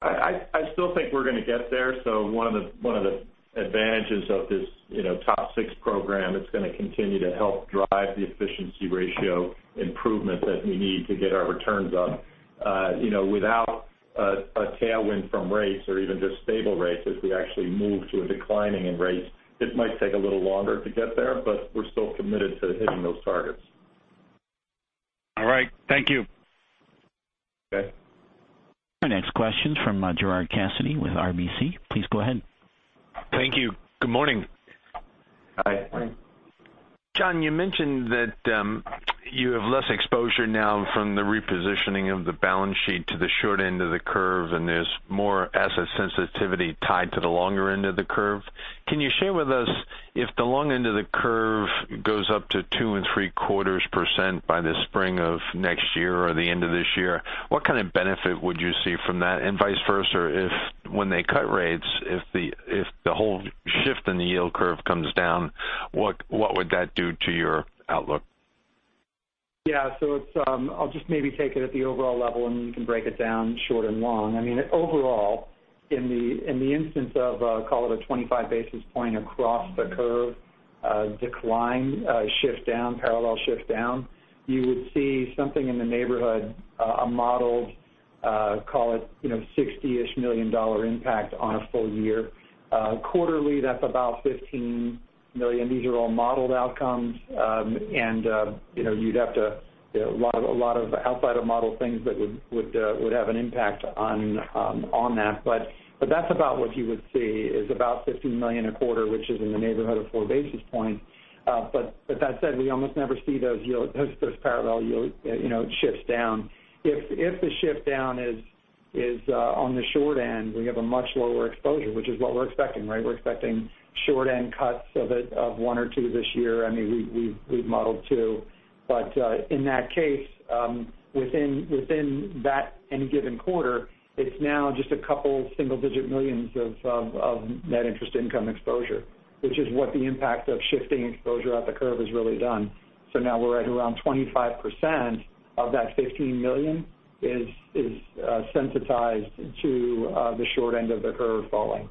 I still think we're going to get there. One of the advantages of this TOP6 program, it's going to continue to help drive the efficiency ratio improvement that we need to get our returns up. Without a tailwind from rates or even just stable rates as we actually move to a declining in rates, it might take a little longer to get there, we're still committed to hitting those targets. All right. Thank you. Okay. Our next question's from Gerard Cassidy with RBC. Please go ahead. Thank you. Good morning. Hi. John, you mentioned that you have less exposure now from the repositioning of the balance sheet to the short end of the curve, and there's more asset sensitivity tied to the longer end of the curve. Can you share with us if the long end of the curve goes up to 2.75% by the spring of next year or the end of this year, what kind of benefit would you see from that? Vice versa, if when they cut rates, if the whole shift in the yield curve comes down, what would that do to your outlook? I'll just maybe take it at the overall level, and then we can break it down short and long. I mean, overall, in the instance of, call it a 25 basis point across the curve decline shift down, parallel shift down, you would see something in the neighborhood, a modeled, call it, $60-ish million impact on a full year. Quarterly, that's about $15 million. These are all modeled outcomes. A lot of outsider model things that would have an impact on that. That's about what you would see is about $15 million a quarter, which is in the neighborhood of four basis points. That said, we almost never see those parallel shifts down. If the shift down is on the short end, we have a much lower exposure, which is what we're expecting, right? We're expecting short-end cuts of one or two this year. I mean, we've modeled two. In that case, within that any given quarter, it's now just a couple single-digit millions of net interest income exposure, which is what the impact of shifting exposure out the curve has really done. Now we're at around 25% of that $15 million is sensitized to the short end of the curve falling.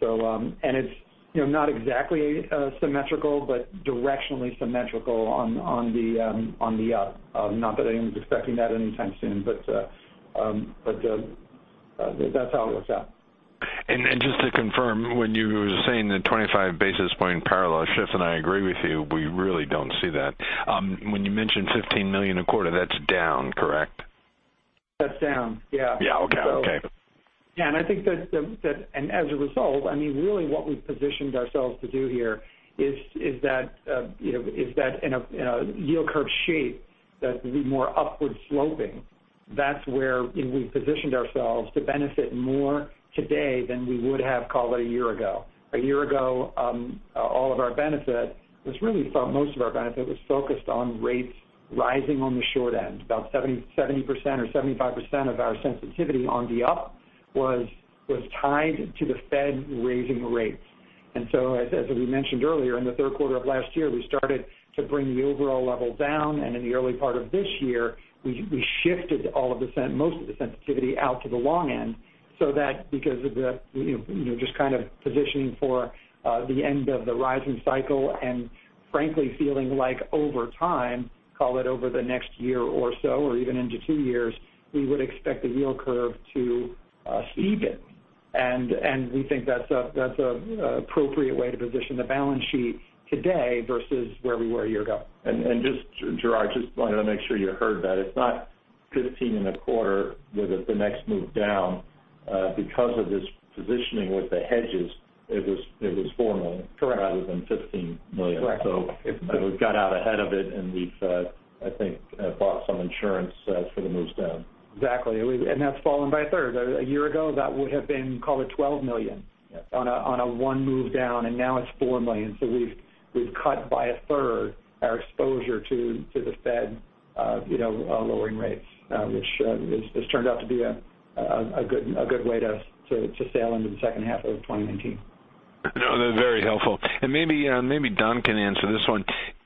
It's not exactly symmetrical, but directionally symmetrical on the up. Not that anyone's expecting that anytime soon, but that's how it works out. Just to confirm, when you were saying the 25-basis point parallel shift, and I agree with you, we really don't see that. When you mentioned $15 million a quarter, that's down, correct? That's down, yeah. Yeah. Okay. I think that as a result, I mean, really what we've positioned ourselves to do here is that in a yield curve shape that would be more upward sloping, that's where we've positioned ourselves to benefit more today than we would have, call it a year ago. A year ago, all of our benefit was most of our benefit was focused on rates rising on the short end. About 70% or 75% of our sensitivity on the up was tied to the Fed raising rates. As we mentioned earlier, in the third quarter of last year, we started to bring the overall level down, and in the early part of this year, we shifted most of the sensitivity out to the long end so that because of the just kind of positioning for the end of the rising cycle and frankly feeling like over time, call it over the next year or so or even into two years, we would expect the yield curve to steepen. We think that's an appropriate way to position the balance sheet today versus where we were a year ago. Gerard, just wanted to make sure you heard that. It's not $15 in a quarter with the next move down because of this positioning with the hedges, it was $4 million. Correct. Rather than $15 million. Correct. We've got out ahead of it, and we've, I think, bought some insurance for the moves down. Exactly. That's fallen by a third. A year ago, that would have been, call it $12 million- Yes On a one move down, now it's $4 million. We've cut by a third our exposure to the Fed lowering rates which has turned out to be a good way to sail into the second half of 2019. No, they're very helpful. Maybe Don can answer this one.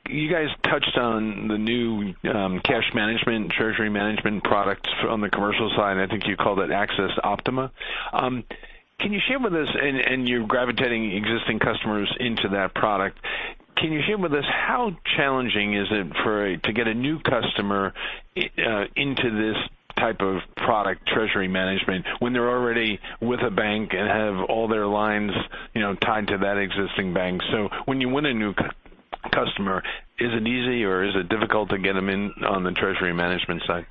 You guys touched on the new cash management, treasury management products on the commercial side. I think you called it accessOPTIMA. Can you share with us, and you're gravitating existing customers into that product. Can you share with us how challenging is it to get a new customer into this type of product treasury management when they're already with a bank and have all their lines tied to that existing bank? When you win a new customer, is it easy or is it difficult to get them in on the treasury management side?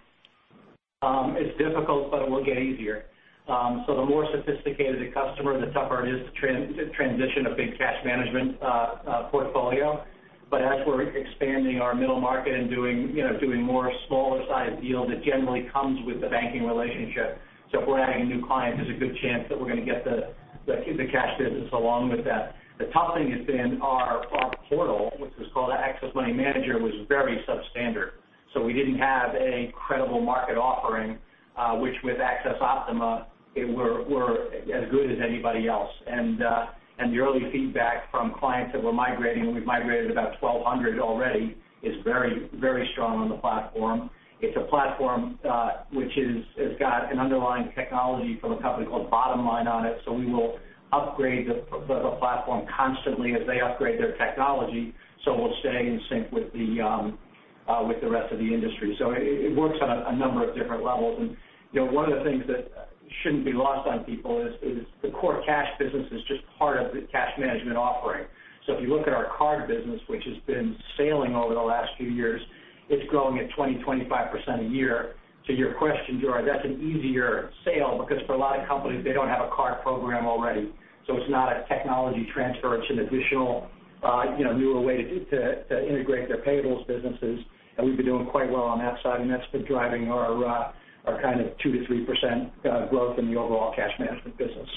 It's difficult, but it will get easier. The more sophisticated the customer, the tougher it is to transition a big cash management portfolio. As we're expanding our middle market and doing more smaller-sized deals, it generally comes with the banking relationship. If we're adding a new client, there's a good chance that we're going to get the cash business along with that. The tough thing has been our portal, which is called Access Money Manager, was very substandard. We didn't have a credible market offering, which with accessOPTIMA, we're as good as anybody else. The early feedback from clients that we're migrating, and we've migrated about 1,200 already, is very strong on the platform. It's a platform which has got an underlying technology from a company called Bottomline on it. We will upgrade the platform constantly as they upgrade their technology. We'll stay in sync with the rest of the industry. It works on a number of different levels. One of the things that shouldn't be lost on people is the core cash business is just part of the cash management offering. If you look at our card business, which has been sailing over the last few years, it's growing at 20%-25% a year. To your question, Gerard, that's an easier sale because for a lot of companies, they don't have a card program already. It's not a technology transfer. It's an additional, newer way to integrate their payables businesses. We've been doing quite well on that side, and that's been driving our kind of 2%-3% growth in the overall cash management business.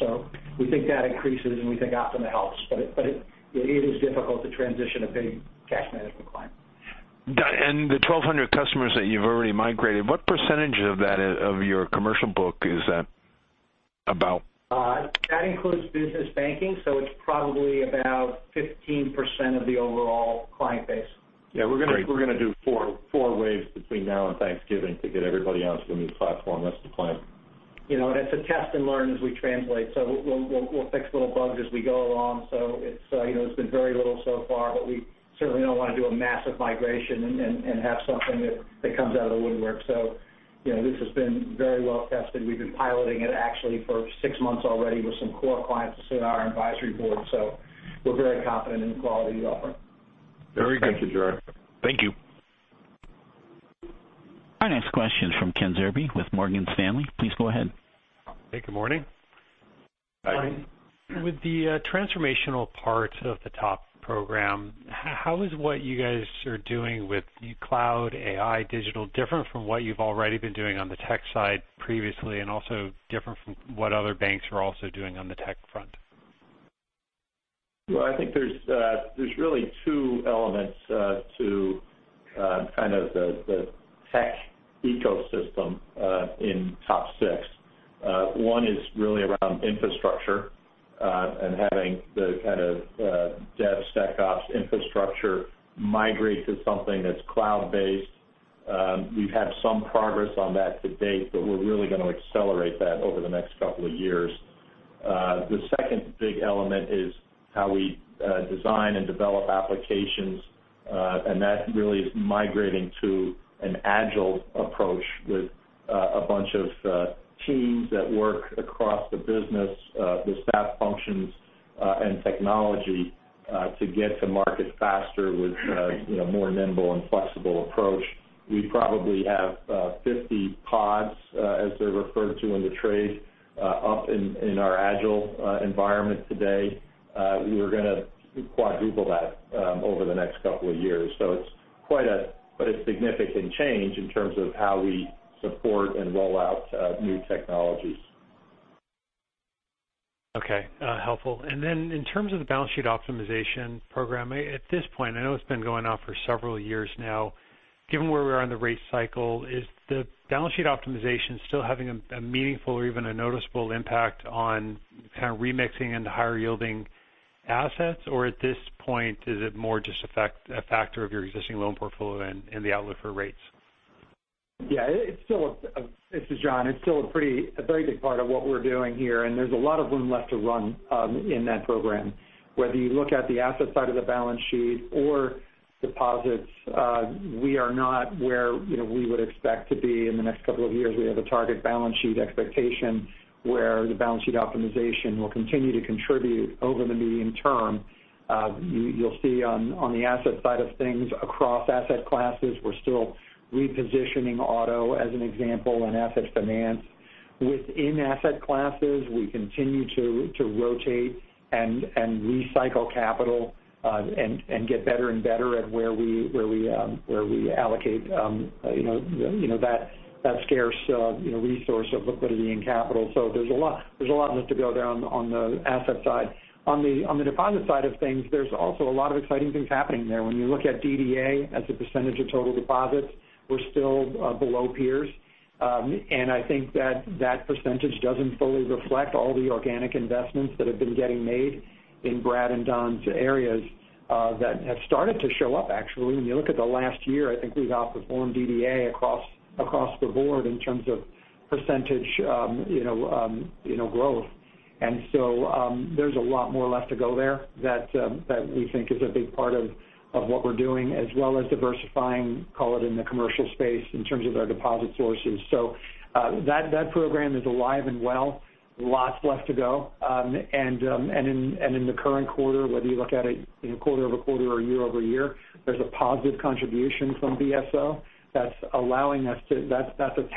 We think that increases, and we think Optima helps. It is difficult to transition a big cash management client. The 1,200 customers that you've already migrated, what percentage of your commercial book is that about? That includes business banking, so it's probably about 15% of the overall client base. Yeah, we're going to do four waves between now and Thanksgiving to get everybody onto the new platform. That's the plan. It's a test and learn as we translate. We'll fix little bugs as we go along. It's been very little so far, but we certainly don't want to do a massive migration and have something that comes out of the woodwork. This has been very well tested. We've been piloting it actually for six months already with some core clients that sit on our advisory board. We're very confident in the quality we offer. Very good. Thanks, Gerard. Thank you. Our next question is from Ken Zerbe with Morgan Stanley. Please go ahead. Hey, good morning. Hi. Morning. With the transformational part of the TOP program, how is what you guys are doing with the cloud AI digital different from what you've already been doing on the tech side previously, and also different from what other banks are also doing on the tech front? Well, I think there's really two elements to kind of the tech ecosystem in TOP6. One is really around infrastructure, and having the kind of depth back-office infrastructure migrate to something that's cloud based. We've had some progress on that to date, but we're really going to accelerate that over the next couple of years. The second big element is how we design and develop applications. That really is migrating to an agile approach with a bunch of teams that work across the business, the staff functions, and technology to get to market faster with a more nimble and flexible approach. We probably have 50 pods, as they're referred to in the trade, up in our agile environment today. We're going to quadruple that over the next couple of years. It's quite a significant change in terms of how we support and roll out new technologies. Okay. Helpful. Then in terms of the balance sheet optimization program, at this point, I know it's been going on for several years now. Given where we are in the rate cycle, is the balance sheet optimization still having a meaningful or even a noticeable impact on kind of remixing into higher yielding assets? At this point, is it more just a factor of your existing loan portfolio and the outlook for rates? Yeah. This is John. It's still a very big part of what we're doing here, and there's a lot of room left to run in that program. Whether you look at the asset side of the balance sheet or deposits, we are not where we would expect to be in the next couple of years. We have a target balance sheet expectation where the balance sheet optimization will continue to contribute over the medium term. You'll see on the asset side of things across asset classes, we're still repositioning auto as an example in asset finance. Within asset classes, we continue to rotate and recycle capital, and get better and better at where we allocate that scarce resource of liquidity and capital. There's a lot left to go there on the asset side. On the deposit side of things, there's also a lot of exciting things happening there. When you look at DDA as a percentage of total deposits, we're still below peers. I think that percentage doesn't fully reflect all the organic investments that have been getting made in Brad and Don's areas that have started to show up, actually. When you look at the last year, I think we've outperformed DDA across the board in terms of percentage growth. There's a lot more left to go there that we think is a big part of what we're doing, as well as diversifying, call it, in the commercial space in terms of our deposit sources. That program is alive and well, lots left to go. In the current quarter, whether you look at it quarter-over-quarter or year-over-year, there's a positive contribution from BSO that's a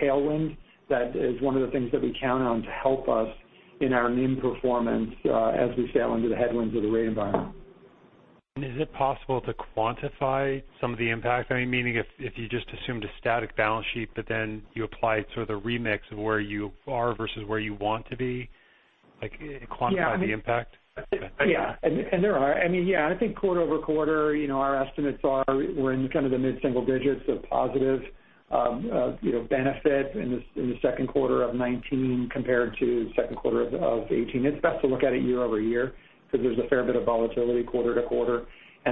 tailwind, that is one of the things that we count on to help us in our NIM performance as we sail into the headwinds of the rate environment. Is it possible to quantify some of the impact? Meaning if you just assumed a static balance sheet, you applied sort of the remix of where you are versus where you want to be? Like quantify the impact? Yeah. I think quarter-over-quarter, our estimates are we're in kind of the mid-single digits of positive benefit in the second quarter of 2019 compared to second quarter of 2018. It's best to look at it year-over-year because there's a fair bit of volatility quarter-to-quarter,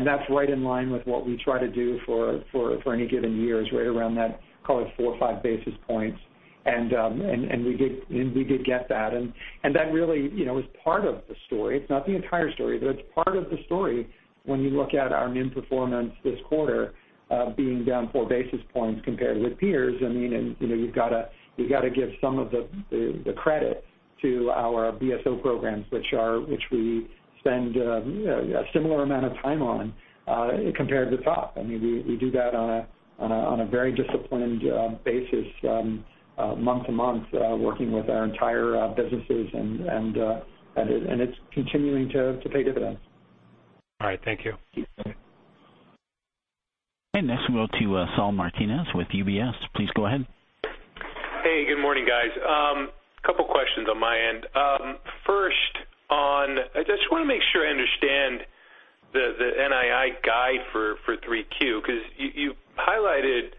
that's right in line with what we try to do for any given year is right around that, call it four or five basis points. We did get that. That really is part of the story. It's not the entire story, but it's part of the story when you look at our NIM performance this quarter being down four basis points compared with peers. You've got to give some of the credit to our BSO programs, which we spend a similar amount of time on compared to TOP. We do that on a very disciplined basis month to month working with our entire businesses and it's continuing to pay dividends. All right. Thank you. Okay. Next we'll turn to Saul Martinez with UBS. Please go ahead. Hey, good morning, guys. Couple questions on my end. I just want to make sure I understand the NII guide for 3Q because you highlighted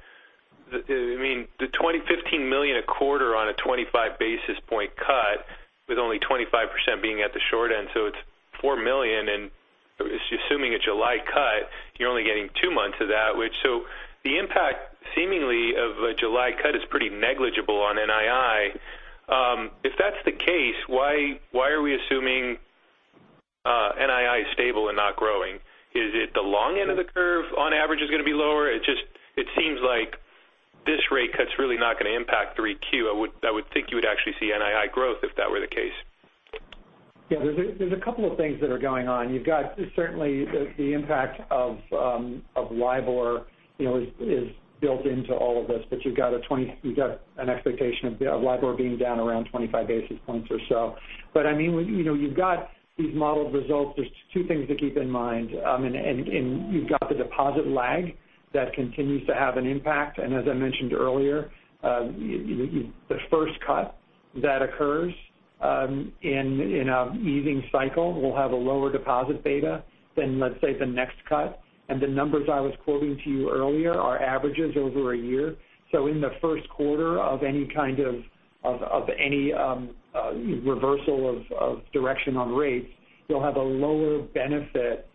the $20 million-$15 million a quarter on a 25 basis point cut with only 25% being at the short end, so it's $4 million. Assuming a July cut, you're only getting two months of that. The impact seemingly of a July cut is pretty negligible on NII. If that's the case, why are we assuming NII is stable and not growing? Is it the long end of the curve on average is going to be lower? It seems like this rate cut's really not going to impact 3Q. I would think you would actually see NII growth if that were the case. Yeah. There's a couple of things that are going on. You've got certainly the impact of LIBOR is built into all of this, but you've got an expectation of LIBOR being down around 25 basis points or so. You've got these modeled results. There's two things to keep in mind. You've got the deposit lag that continues to have an impact, as I mentioned earlier, the first cut that occurs in an easing cycle will have a lower deposit beta than, let's say, the next cut. The numbers I was quoting to you earlier are averages over a year. In the first quarter of any kind of reversal of direction on rates, you'll have a lower benefit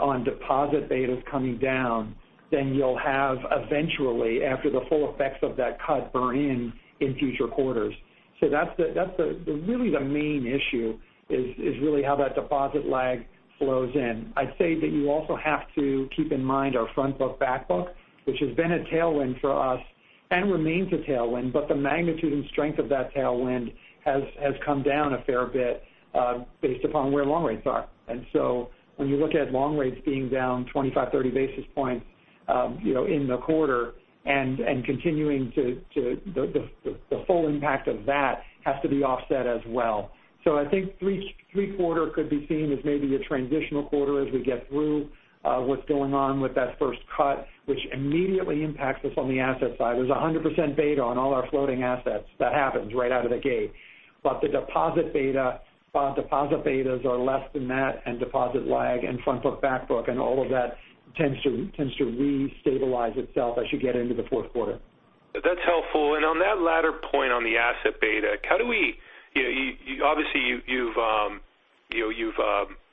on deposit betas coming down than you'll have eventually after the full effects of that cut burn in in future quarters. Really the main issue is really how that deposit lag flows in. I'd say that you also have to keep in mind our front book, back book, which has been a tailwind for us and remains a tailwind, but the magnitude and strength of that tailwind has come down a fair bit based upon where long rates are. When you look at long rates being down 25, 30 basis points in the quarter, the full impact of that has to be offset as well. I think three quarter could be seen as maybe a transitional quarter as we get through what's going on with that first cut, which immediately impacts us on the asset side. There's 100% beta on all our floating assets. That happens right out of the gate. The deposit betas are less than that and deposit lag and front book, back book, and all of that tends to re-stabilize itself as you get into the fourth quarter. That's helpful. On that latter point on the asset beta, obviously, you've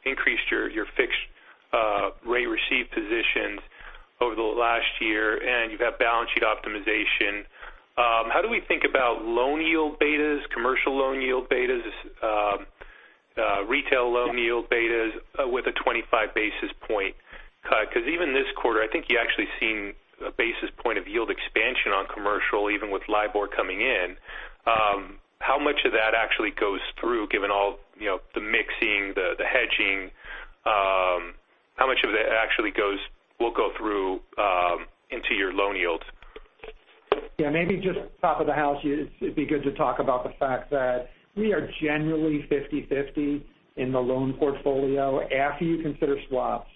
increased your fixed rate receipt positions over the last year and you've got balance sheet optimization. How do we think about loan yield betas, commercial loan yield betas, retail loan yield betas with a 25 basis point cut? Because even this quarter, I think you actually seen a basis point of yield expansion on commercial even with LIBOR coming in. How much of that actually goes through given all the mixing, the hedging? How much of that actually will go through into your loan yields? Maybe just top of the house, it'd be good to talk about the fact that we are generally 50/50 in the loan portfolio. After you consider swaps,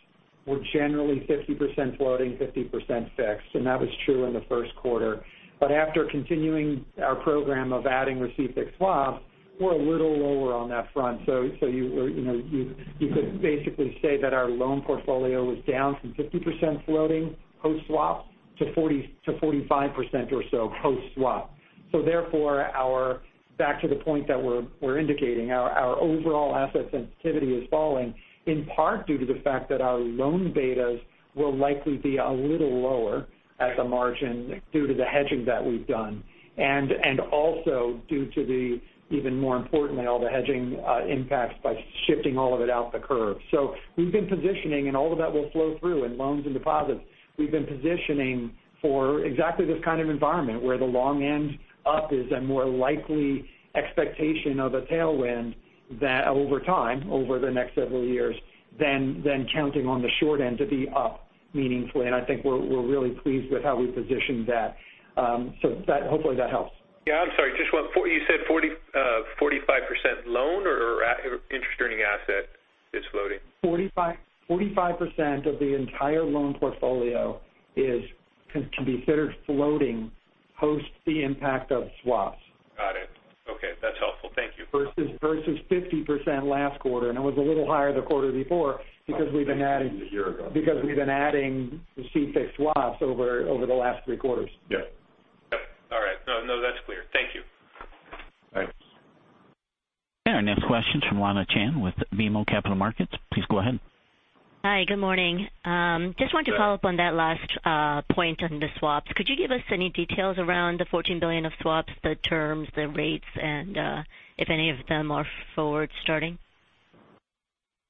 we're generally 50% floating, 50% fixed, and that was true in the first quarter. After continuing our program of adding receive fixed swaps, we're a little lower on that front. You could basically say that our loan portfolio was down from 50% floating post swap to 45% or so post swap. Therefore, back to the point that we're indicating, our overall asset sensitivity is falling in part due to the fact that our loan betas will likely be a little lower at the margin due to the hedging that we've done. Also, due to the, even more importantly, all the hedging impacts by shifting all of it out the curve. We've been positioning, and all of that will flow through in loans and deposits. We've been positioning for exactly this kind of environment where the long end up is a more likely expectation of a tailwind. Over time, over the next several years, than counting on the short end to be up meaningfully. I think we're really pleased with how we positioned that. Hopefully that helps. I'm sorry. You said 45% loan or interest earning asset is floating? 45% of the entire loan portfolio can be considered floating post the impact of swaps. Got it. Okay. That's helpful. Thank you. Versus 50% last quarter, it was a little higher the quarter before because we've been. A year ago. We've been adding receive fixed swaps over the last three quarters. Yes. All right. No, that's clear. Thank you. Thanks. Our next question's from Lana Chan with BMO Capital Markets. Please go ahead. Hi. Good morning. Just wanted to follow up on that last point on the swaps. Could you give us any details around the $14 billion of swaps, the terms, the rates, and if any of them are forward starting?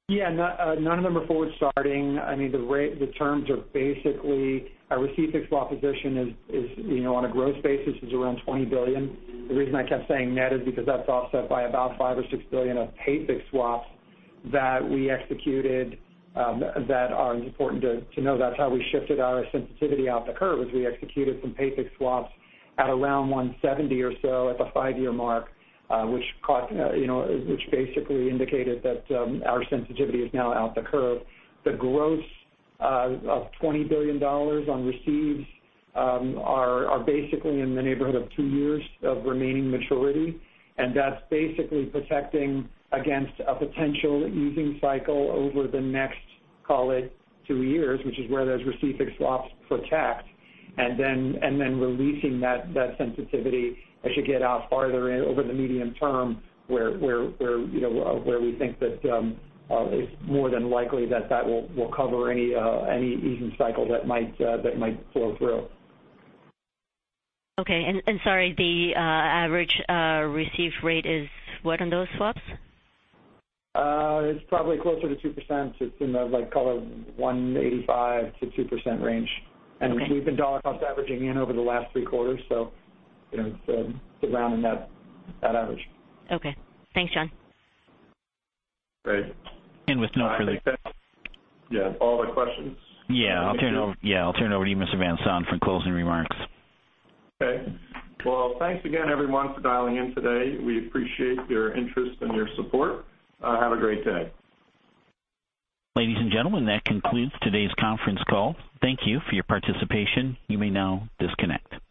None of them are forward starting. The terms are basically, our receive fixed swap position is, on a gross basis, is around $20 billion. The reason I kept saying net is because that's offset by about five or six billion of pay fixed swaps that we executed that are important to know. That's how we shifted our sensitivity out the curve, is we executed some pay fixed swaps at around 170 or so at the five-year mark which basically indicated that our sensitivity is now out the curve. The gross of $20 billion on receives are basically in the neighborhood of two years of remaining maturity, that's basically protecting against a potential easing cycle over the next, call it two years, which is where those receive fixed swaps protect, then releasing that sensitivity as you get out farther over the medium term where we think that it's more than likely that that will cover any easing cycle that might flow through. Okay. Sorry, the average receive rate is what on those swaps? It's probably closer to 2%. It's in the 1.85% to 2% range. Okay. We've been dollar cost averaging in over the last three quarters; it's around in that average. Okay. Thanks, John. Great. With no further- All the questions? I'll turn it over to you, Mr. Van Saun, for closing remarks. Well, thanks again, everyone, for dialing in today. We appreciate your interest and your support. Have a great day. Ladies and gentlemen, that concludes today's conference call. Thank you for your participation. You may now disconnect.